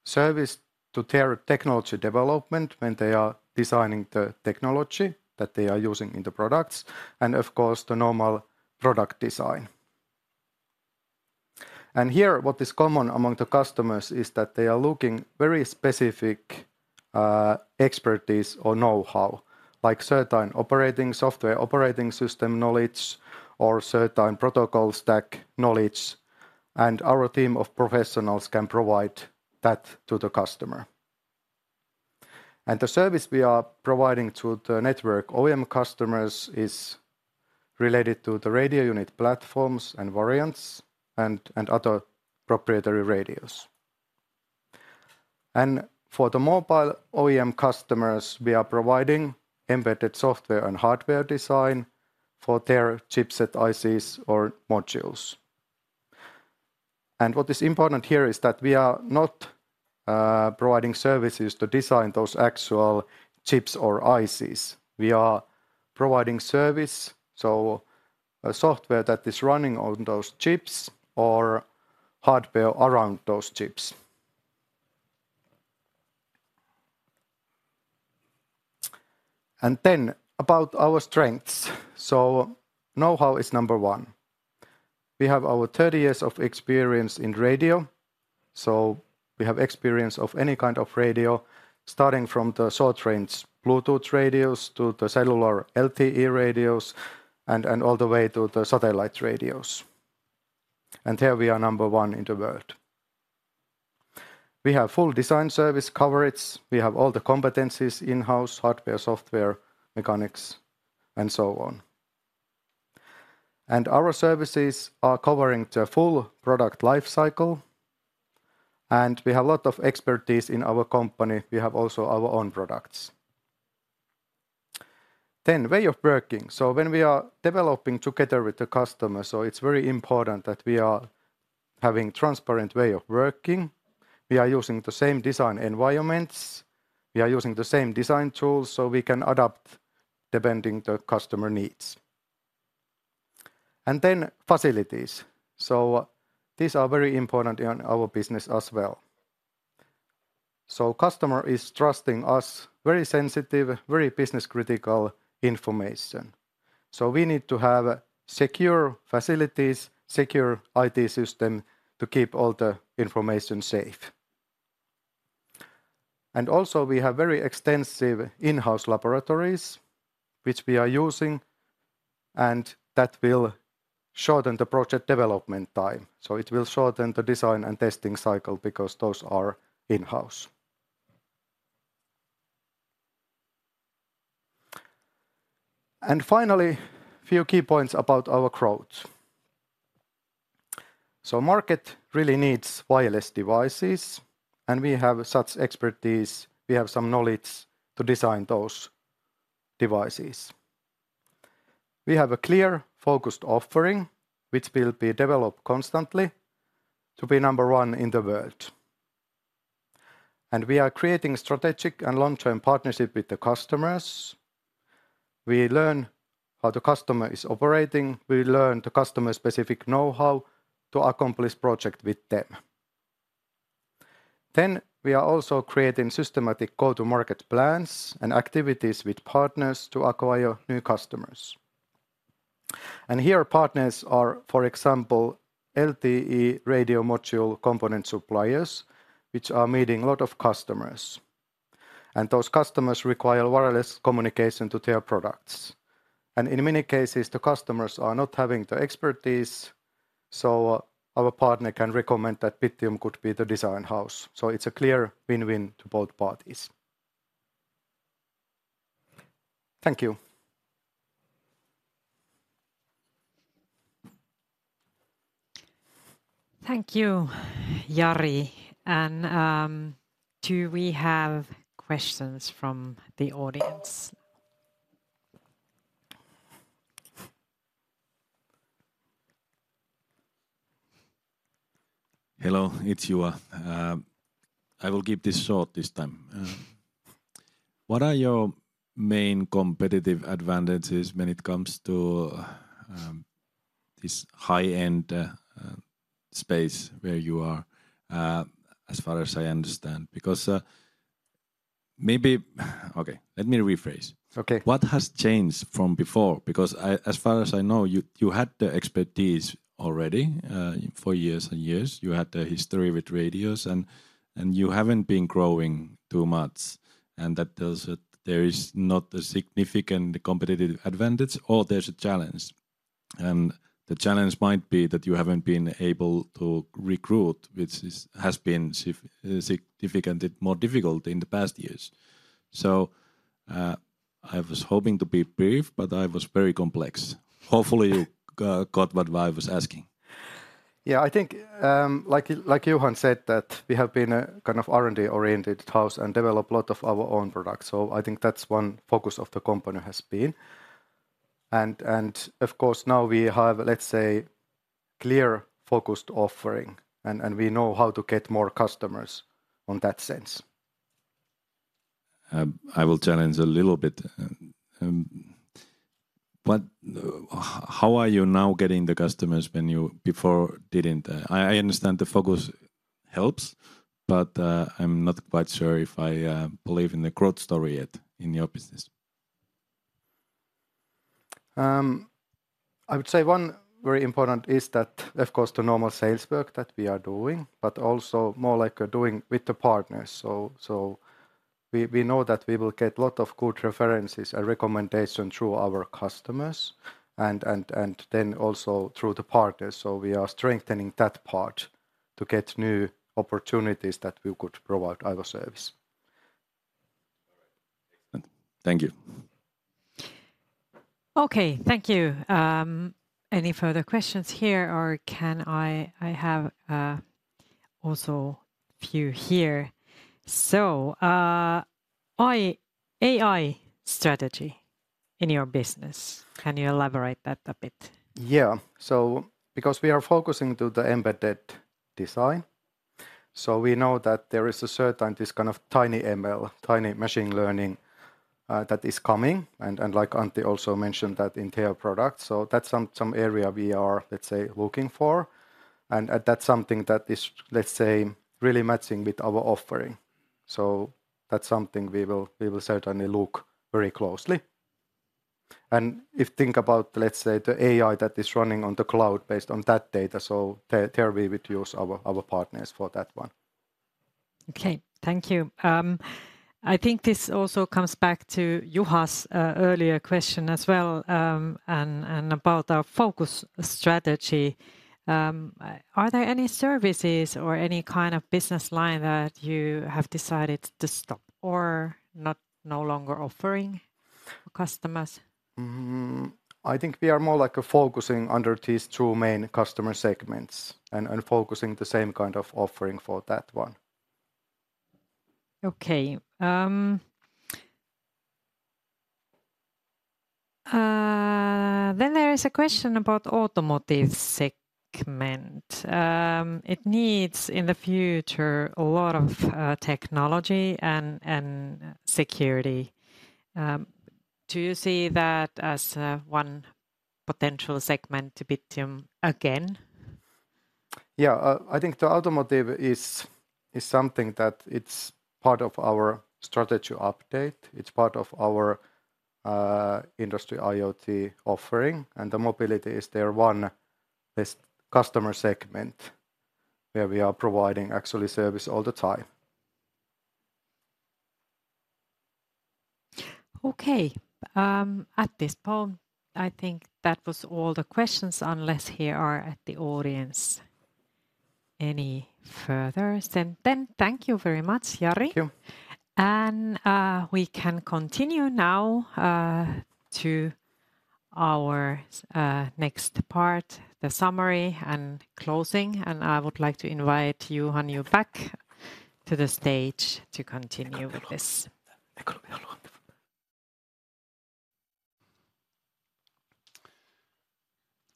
service to their technology development when they are designing the technology that they are using in the products, and of course, the normal product design. And here, what is common among the customers is that they are looking very specific expertise or know-how, like certain software operating system knowledge or certain protocol stack knowledge, and our team of professionals can provide that to the customer. And the service we are providing to the network OEM customers is related to the radio unit platforms and variants and other proprietary radios. And for the mobile OEM customers, we are providing embedded software and hardware design for their chipset ICs or modules. And what is important here is that we are not providing services to design those actual chips or ICs. We are providing service, so a software that is running on those chips or hardware around those chips. And then about our strengths. So know-how is number one. We have over 30 years of experience in radio, so we have experience of any kind of radio, starting from the short-range Bluetooth radios to the cellular LTE radios and all the way to the satellite radios. And here we are number one in the world. We have full design service coverage. We have all the competencies in-house, hardware, software, mechanics, and so on. Our services are covering the full product life cycle, and we have a lot of expertise in our company. We have also our own products. Then way of working. So when we are developing together with the customer, so it's very important that we are having transparent way of working. We are using the same design environments, we are using the same design tools, so we can adapt depending the customer needs. And then facilities. So these are very important in our business as well. So customer is trusting us very sensitive, very business-critical information, so we need to have secure facilities, secure IT system to keep all the information safe. And also, we have very extensive in-house laboratories, which we are using, and that will shorten the project development time. So it will shorten the design and testing cycle because those are in-house. Finally, a few key points about our growth. The market really needs wireless devices, and we have such expertise. We have some knowledge to design those devices. We have a clear, focused offering, which will be developed constantly to be number one in the world. We are creating strategic and long-term partnerships with the customers. We learn how the customer is operating. We learn the customer-specific know-how to accomplish projects with them. We are also creating systematic go-to-market plans and activities with partners to acquire new customers. Here, partners are, for example, LTE radio module component suppliers, which are meeting a lot of customers, and those customers require wireless communication to their products. In many cases, the customers are not having the expertise, so our partner can recommend that Bittium could be the design house. It's a clear win-win to both parties. Thank you. Thank you, Jari. Do we have questions from the audience? Hello, it's Juha. I will keep this short this time. What are your main competitive advantages when it comes to this high-end space where you are, as far as I understand? Because, maybe. Okay, let me rephrase. Okay. What has changed from before? Because I—as far as I know, you had the expertise already for years and years. You had the history with radios, and you haven't been growing too much, and that tells that there is not a significant competitive advantage or there's a challenge. And the challenge might be that you haven't been able to recruit, which has been significant and more difficult in the past years. So, I was hoping to be brief, but I was very complex. Hopefully, you got what I was asking. Yeah, I think, like Johan said, that we have been a kind of R&D-oriented house and developed a lot of our own products, so I think that's one focus of the company has been. And, of course, now we have, let's say, clear, focused offering, and we know how to get more customers on that sense. I will challenge a little bit. How are you now getting the customers when you before didn't? I understand the focus helps, but I'm not quite sure if I believe in the growth story yet in your business. I would say one very important is that, of course, the normal sales work that we are doing, but also more like doing with the partners. So we know that we will get a lot of good references and recommendation through our customers, and then also through the partners, so we are strengthening that part to get new opportunities that we could provide our service. Thank you. Okay, thank you. Any further questions here, or can I... I have also a few here. AI strategy in your business, can you elaborate that a bit? Yeah. So because we are focusing to the embedded design, so we know that there is a certain, this kind of TinyML, tiny machine learning, that is coming, and, and like Antti also mentioned that in their product, so that's some, some area we are, let's say, looking for. And, and that's something that is, let's say, really matching with our offering. So that's something we will, we will certainly look very closely. And if think about, let's say, the AI that is running on the cloud based on that data, so there, there we would use our, our partners for that one. Okay. Thank you. I think this also comes back to Joakim's earlier question as well, and about our focus strategy. Are there any services or any kind of business line that you have decided to stop or not no longer offering customers? Mm, I think we are more like focusing under these two main customer segments and focusing the same kind of offering for that one. Okay. Then there is a question about automotive segment. It needs, in the future, a lot of technology and security. Do you see that as one potential segment to Bittium again? Yeah, I think the automotive is something that it's part of our strategy update. It's part of our industry IoT offering, and the mobility is their one, this customer segment where we are providing actually service all the time. Okay. At this point, I think that was all the questions, unless there are at the audience any furthers. Then, thank you very much, Jari. Thank you. We can continue now to our next part, the summary and closing, and I would like to invite you, Johan, back to the stage to continue with this.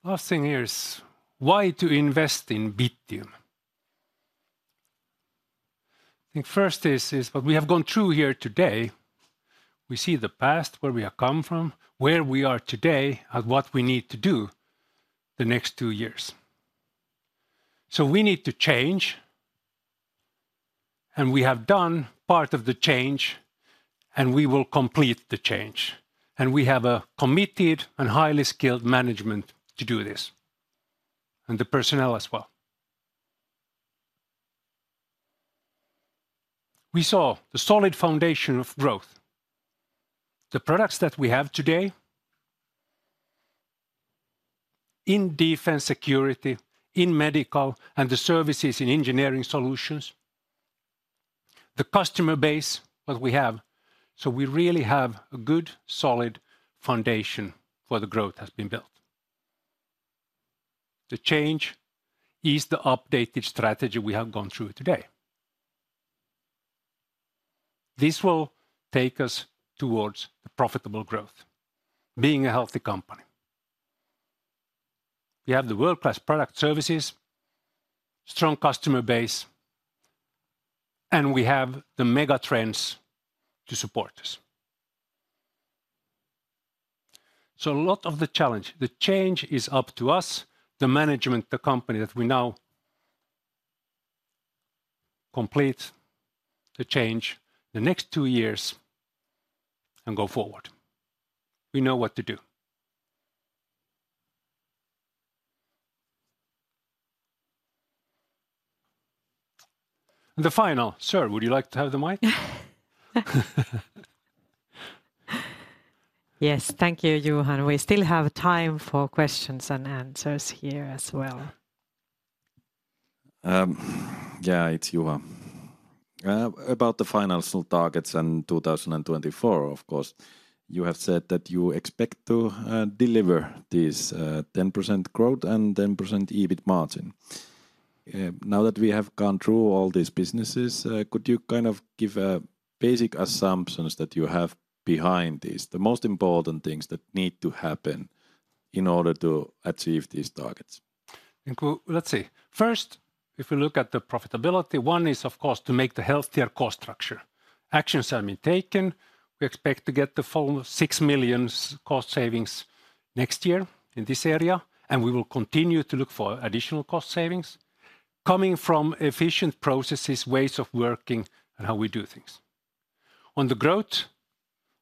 Last thing here is why to invest in Bittium? I think first is what we have gone through here today. We see the past, where we have come from, where we are today, and what we need to do the next two years. So we need to change, and we have done part of the change, and we will complete the change, and we have a committed and highly skilled management to do this, and the personnel as well. We saw the solid foundation of growth, the products that we have today in defense, security, in medical, and the services in engineering solutions, the customer base that we have, so we really have a good, solid foundation for the growth has been built. The change is the updated strategy we have gone through today. This will take us towards the profitable growth, being a healthy company. We have the world-class product services, strong customer base, and we have the mega trends to support us. So a lot of the challenge, the change, is up to us, the management, the company, that we now complete the change the next two years and go forward. We know what to do.... And the final. Sir, would you like to have the mic? Yes, thank you, Johan. We still have time for questions and answers here as well. Yeah, it's Johan. About the financial targets in 2024, of course, you have said that you expect to deliver this 10% growth and 10% EBIT margin. Now that we have gone through all these businesses, could you kind of give basic assumptions that you have behind this, the most important things that need to happen in order to achieve these targets? Let's see. First, if we look at the profitability, one is, of course, to make the healthier cost structure. Actions have been taken. We expect to get the full 6 million cost savings next year in this area, and we will continue to look for additional cost savings coming from efficient processes, ways of working, and how we do things. On the growth,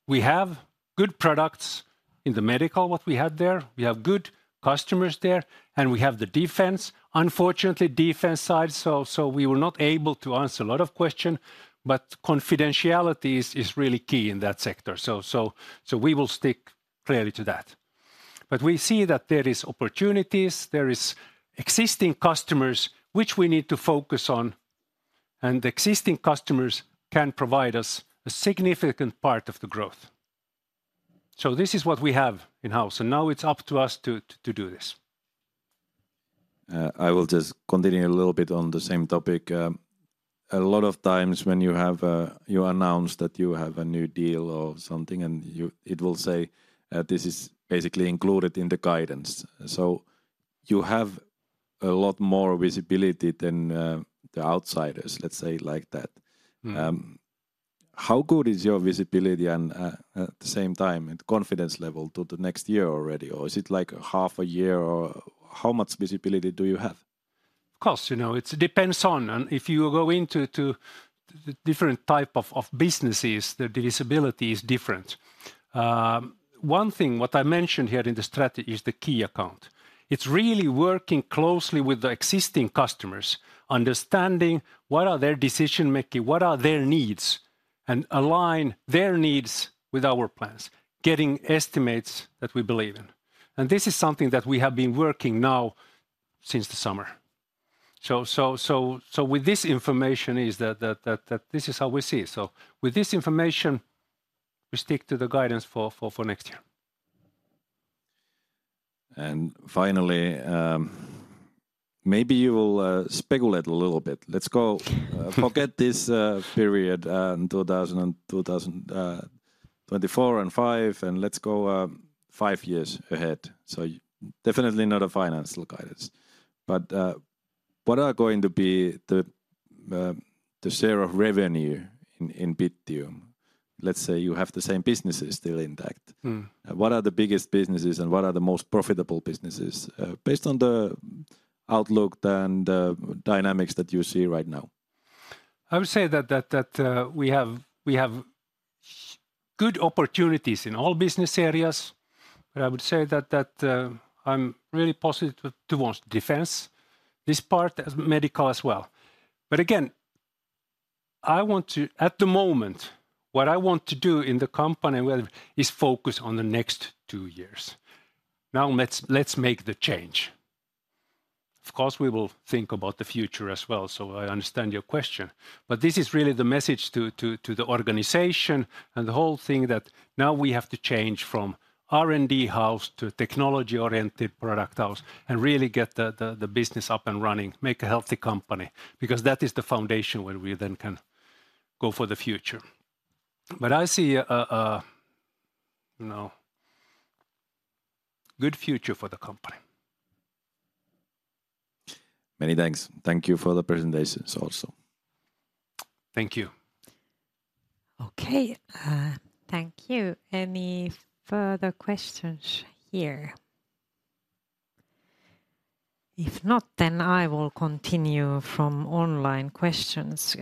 we have good products in the medical, what we had there. We have good customers there, and we have the defense. Unfortunately, defense side, so we were not able to answer a lot of question, but confidentiality is really key in that sector. So we will stick clearly to that. But we see that there is opportunities, there is existing customers which we need to focus on, and existing customers can provide us a significant part of the growth. So this is what we have in-house, and now it's up to us to do this. I will just continue a little bit on the same topic. A lot of times when you have you announce that you have a new deal or something, and you- it will say, this is basically included in the guidance. So you have a lot more visibility than the outsiders, let's say, like that. Mm. How good is your visibility and, at the same time, and confidence level to the next year already? Or is it, like, half a year, or how much visibility do you have? Of course, you know, it depends on, and if you go into to the different type of businesses, the visibility is different. One thing, what I mentioned here in the strategy is the key account. It's really working closely with the existing customers, understanding what are their decision-making, what are their needs, and align their needs with our plans, getting estimates that we believe in, and this is something that we have been working now since the summer. So with this information is that this is how we see it. So with this information, we stick to the guidance for next year. Finally, maybe you will speculate a little bit. Let's go. Forget this period in 2024 and 2025, and let's go five years ahead. So definitely not a financial guidance, but what are going to be the share of revenue in Bittium? Let's say you have the same businesses still intact. Mm. What are the biggest businesses, and what are the most profitable businesses, based on the outlook and the dynamics that you see right now? I would say that we have good opportunities in all business areas. But I would say that I'm really positive towards defense, this part, as medical as well. But again, I want to... At the moment, what I want to do in the company well is focus on the next two years. Now, let's make the change. Of course, we will think about the future as well, so I understand your question. But this is really the message to the organization and the whole thing, that now we have to change from R&D house to technology-oriented product house and really get the business up and running, make a healthy company, because that is the foundation where we then can go for the future. But I see a you know, good future for the company. Many thanks. Thank you for the presentations also. Thank you. Okay, thank you. Any further questions here? If not, then I will continue from online questions.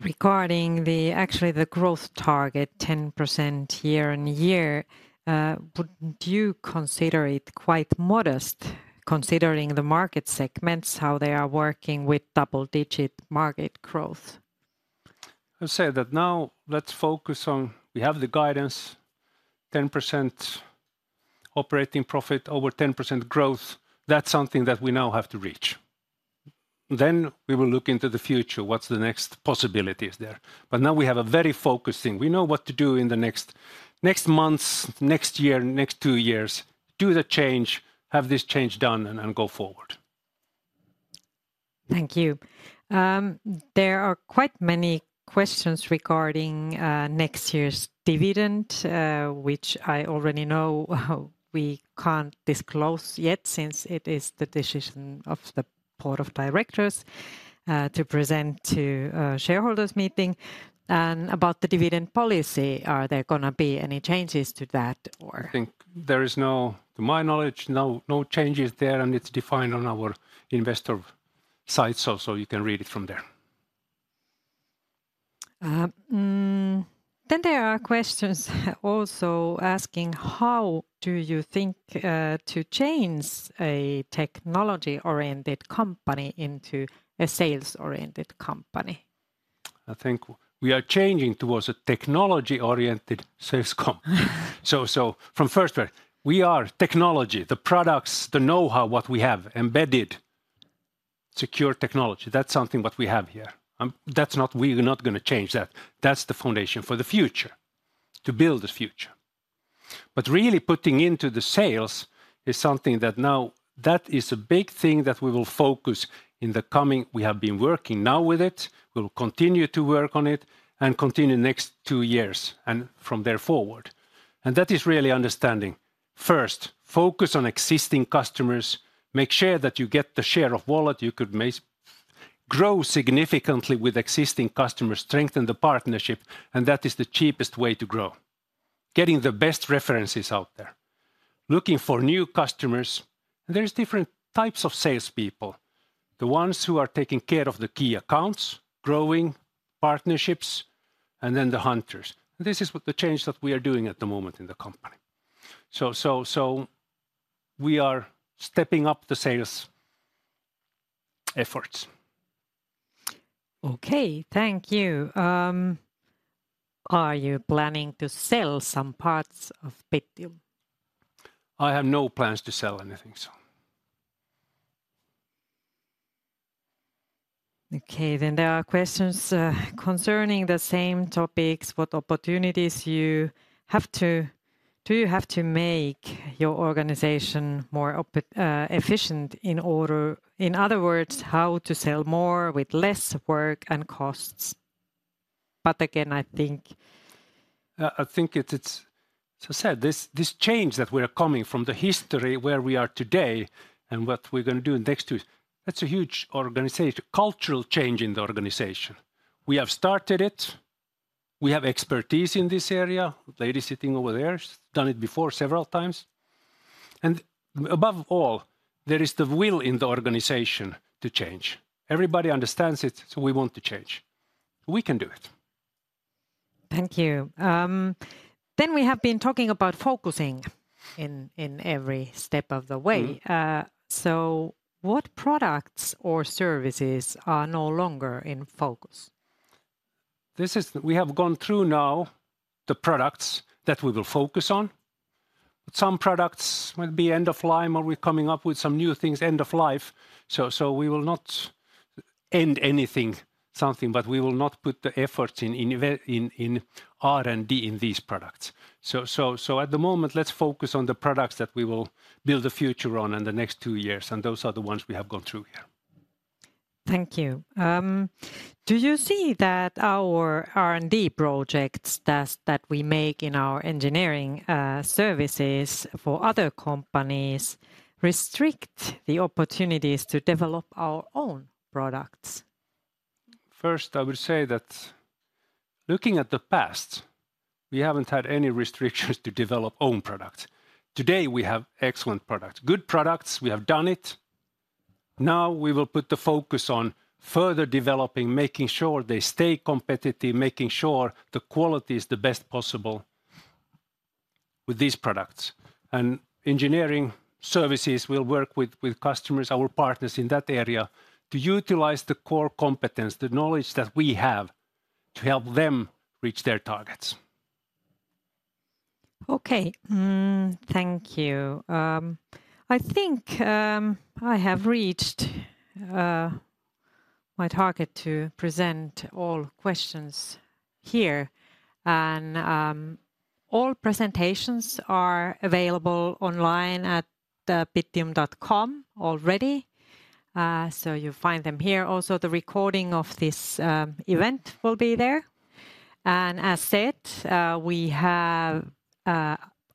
Regarding the, actually, the growth target, 10% year-on-year, wouldn't you consider it quite modest, considering the market segments, how they are working with double-digit market growth? I would say that now let's focus on... We have the guidance, 10% operating profit, over 10% growth. That's something that we now have to reach. Then we will look into the future, what's the next possibilities there. But now we have a very focused thing. We know what to do in the next, next months, next year, next two years. Do the change, have this change done, and, and go forward. Thank you. There are quite many questions regarding next year's dividend, which I already know we can't disclose yet since it is the decision of the board of directors to present to a shareholders' meeting. And about the dividend policy, are there gonna be any changes to that, or? I think there is no, to my knowledge, no, no changes there, and it's defined on our investor site, so, so you can read it from there. ... then there are questions also asking how do you think to change a technology-oriented company into a sales-oriented company? I think we are changing towards a technology-oriented sales comp. So from first, right, we are technology. The products, the know-how, what we have, embedded secure technology, that's something what we have here. That's not- we're not gonna change that. That's the foundation for the future, to build the future. But really putting into the sales is something that now that is a big thing that we will focus in the coming... We have been working now with it, we'll continue to work on it, and continue next two years and from there forward. And that is really understanding. First, focus on existing customers, make sure that you get the share of wallet you could make. Grow significantly with existing customers, strengthen the partnership, and that is the cheapest way to grow. Getting the best references out there. Looking for new customers. are different types of salespeople: the ones who are taking care of the key accounts, growing partnerships, and then the hunters. This is what the change that we are doing at the moment in the company. So we are stepping up the sales efforts. Okay, thank you. Are you planning to sell some parts of Bittium? I have no plans to sell anything, so... Okay, then there are questions concerning the same topics. What opportunities do you have to make your organization more efficient in order... In other words, how to sell more with less work and costs? But again, I think- I think it's. So I said, this change that we are coming from the history where we are today and what we're gonna do in the next two, that's a huge organization-cultural change in the organization. We have started it. We have expertise in this area. The lady sitting over there has done it before several times. And above all, there is the will in the organization to change. Everybody understands it, so we want to change. We can do it. Thank you. Then we have been talking about focusing in, in every step of the way. Mm-hmm. What products or services are no longer in focus? We have gone through now the products that we will focus on. Some products will be end of line, or we're coming up with some new things, end of life. So we will not end anything, something, but we will not put the efforts in R&D in these products. So at the moment, let's focus on the products that we will build a future on in the next two years, and those are the ones we have gone through here. Thank you. Do you see that our R&D projects that we make in our Engineering Services for other companies restrict the opportunities to develop our own products? First, I would say that looking at the past, we haven't had any restrictions to develop own product. Today, we have excellent products, good products. We have done it. Now, we will put the focus on further developing, making sure they stay competitive, making sure the quality is the best possible with these products. Engineering services will work with customers, our partners in that area, to utilize the core competence, the knowledge that we have, to help them reach their targets. Okay. Thank you. I think I have reached my target to present all questions here. And all presentations are available online at Bittium.com already, so you'll find them here. Also, the recording of this event will be there. And as said, we have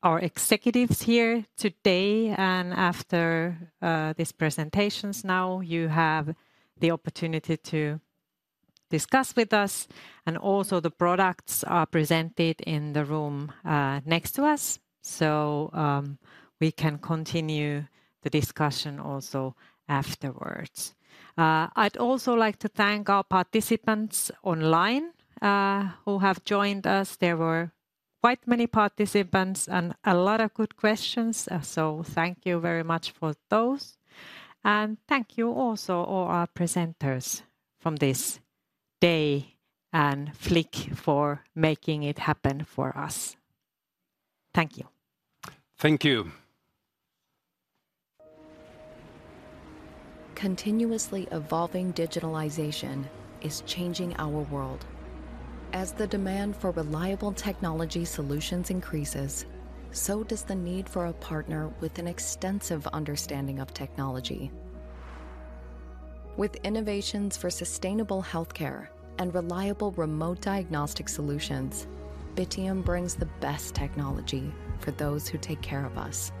our executives here today, and after these presentations now, you have the opportunity to discuss with us. And also, the products are presented in the room next to us, so we can continue the discussion also afterwards. I'd also like to thank our participants online who have joined us. There were quite many participants and a lot of good questions, so thank you very much for those. And thank you also all our presenters from this day, and thank you for making it happen for us. Thank you. Thank you. Continuously evolving digitalization is changing our world. As the demand for reliable technology solutions increases, so does the need for a partner with an extensive understanding of technology. With innovations for sustainable healthcare and reliable remote diagnostic solutions, Bittium brings the best technology for those who take care of us.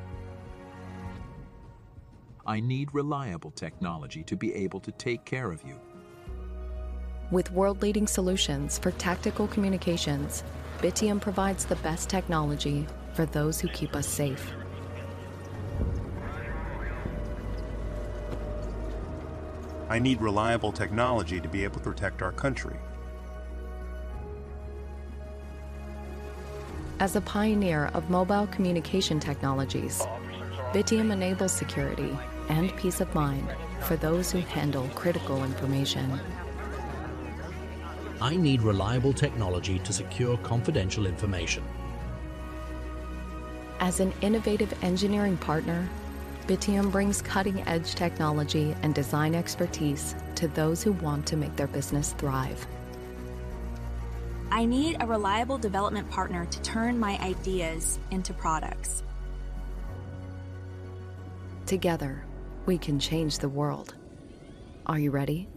I need reliable technology to be able to take care of you. With world-leading solutions for tactical communications, Bittium provides the best technology for those who keep us safe. I need reliable technology to be able to protect our country. As a pioneer of mobile communication technologies, Bittium enables security and peace of mind for those who handle critical information. I need reliable technology to secure confidential information. As an innovative engineering partner, Bittium brings cutting-edge technology and design expertise to those who want to make their business thrive. I need a reliable development partner to turn my ideas into products. Together, we can change the world. Are you ready?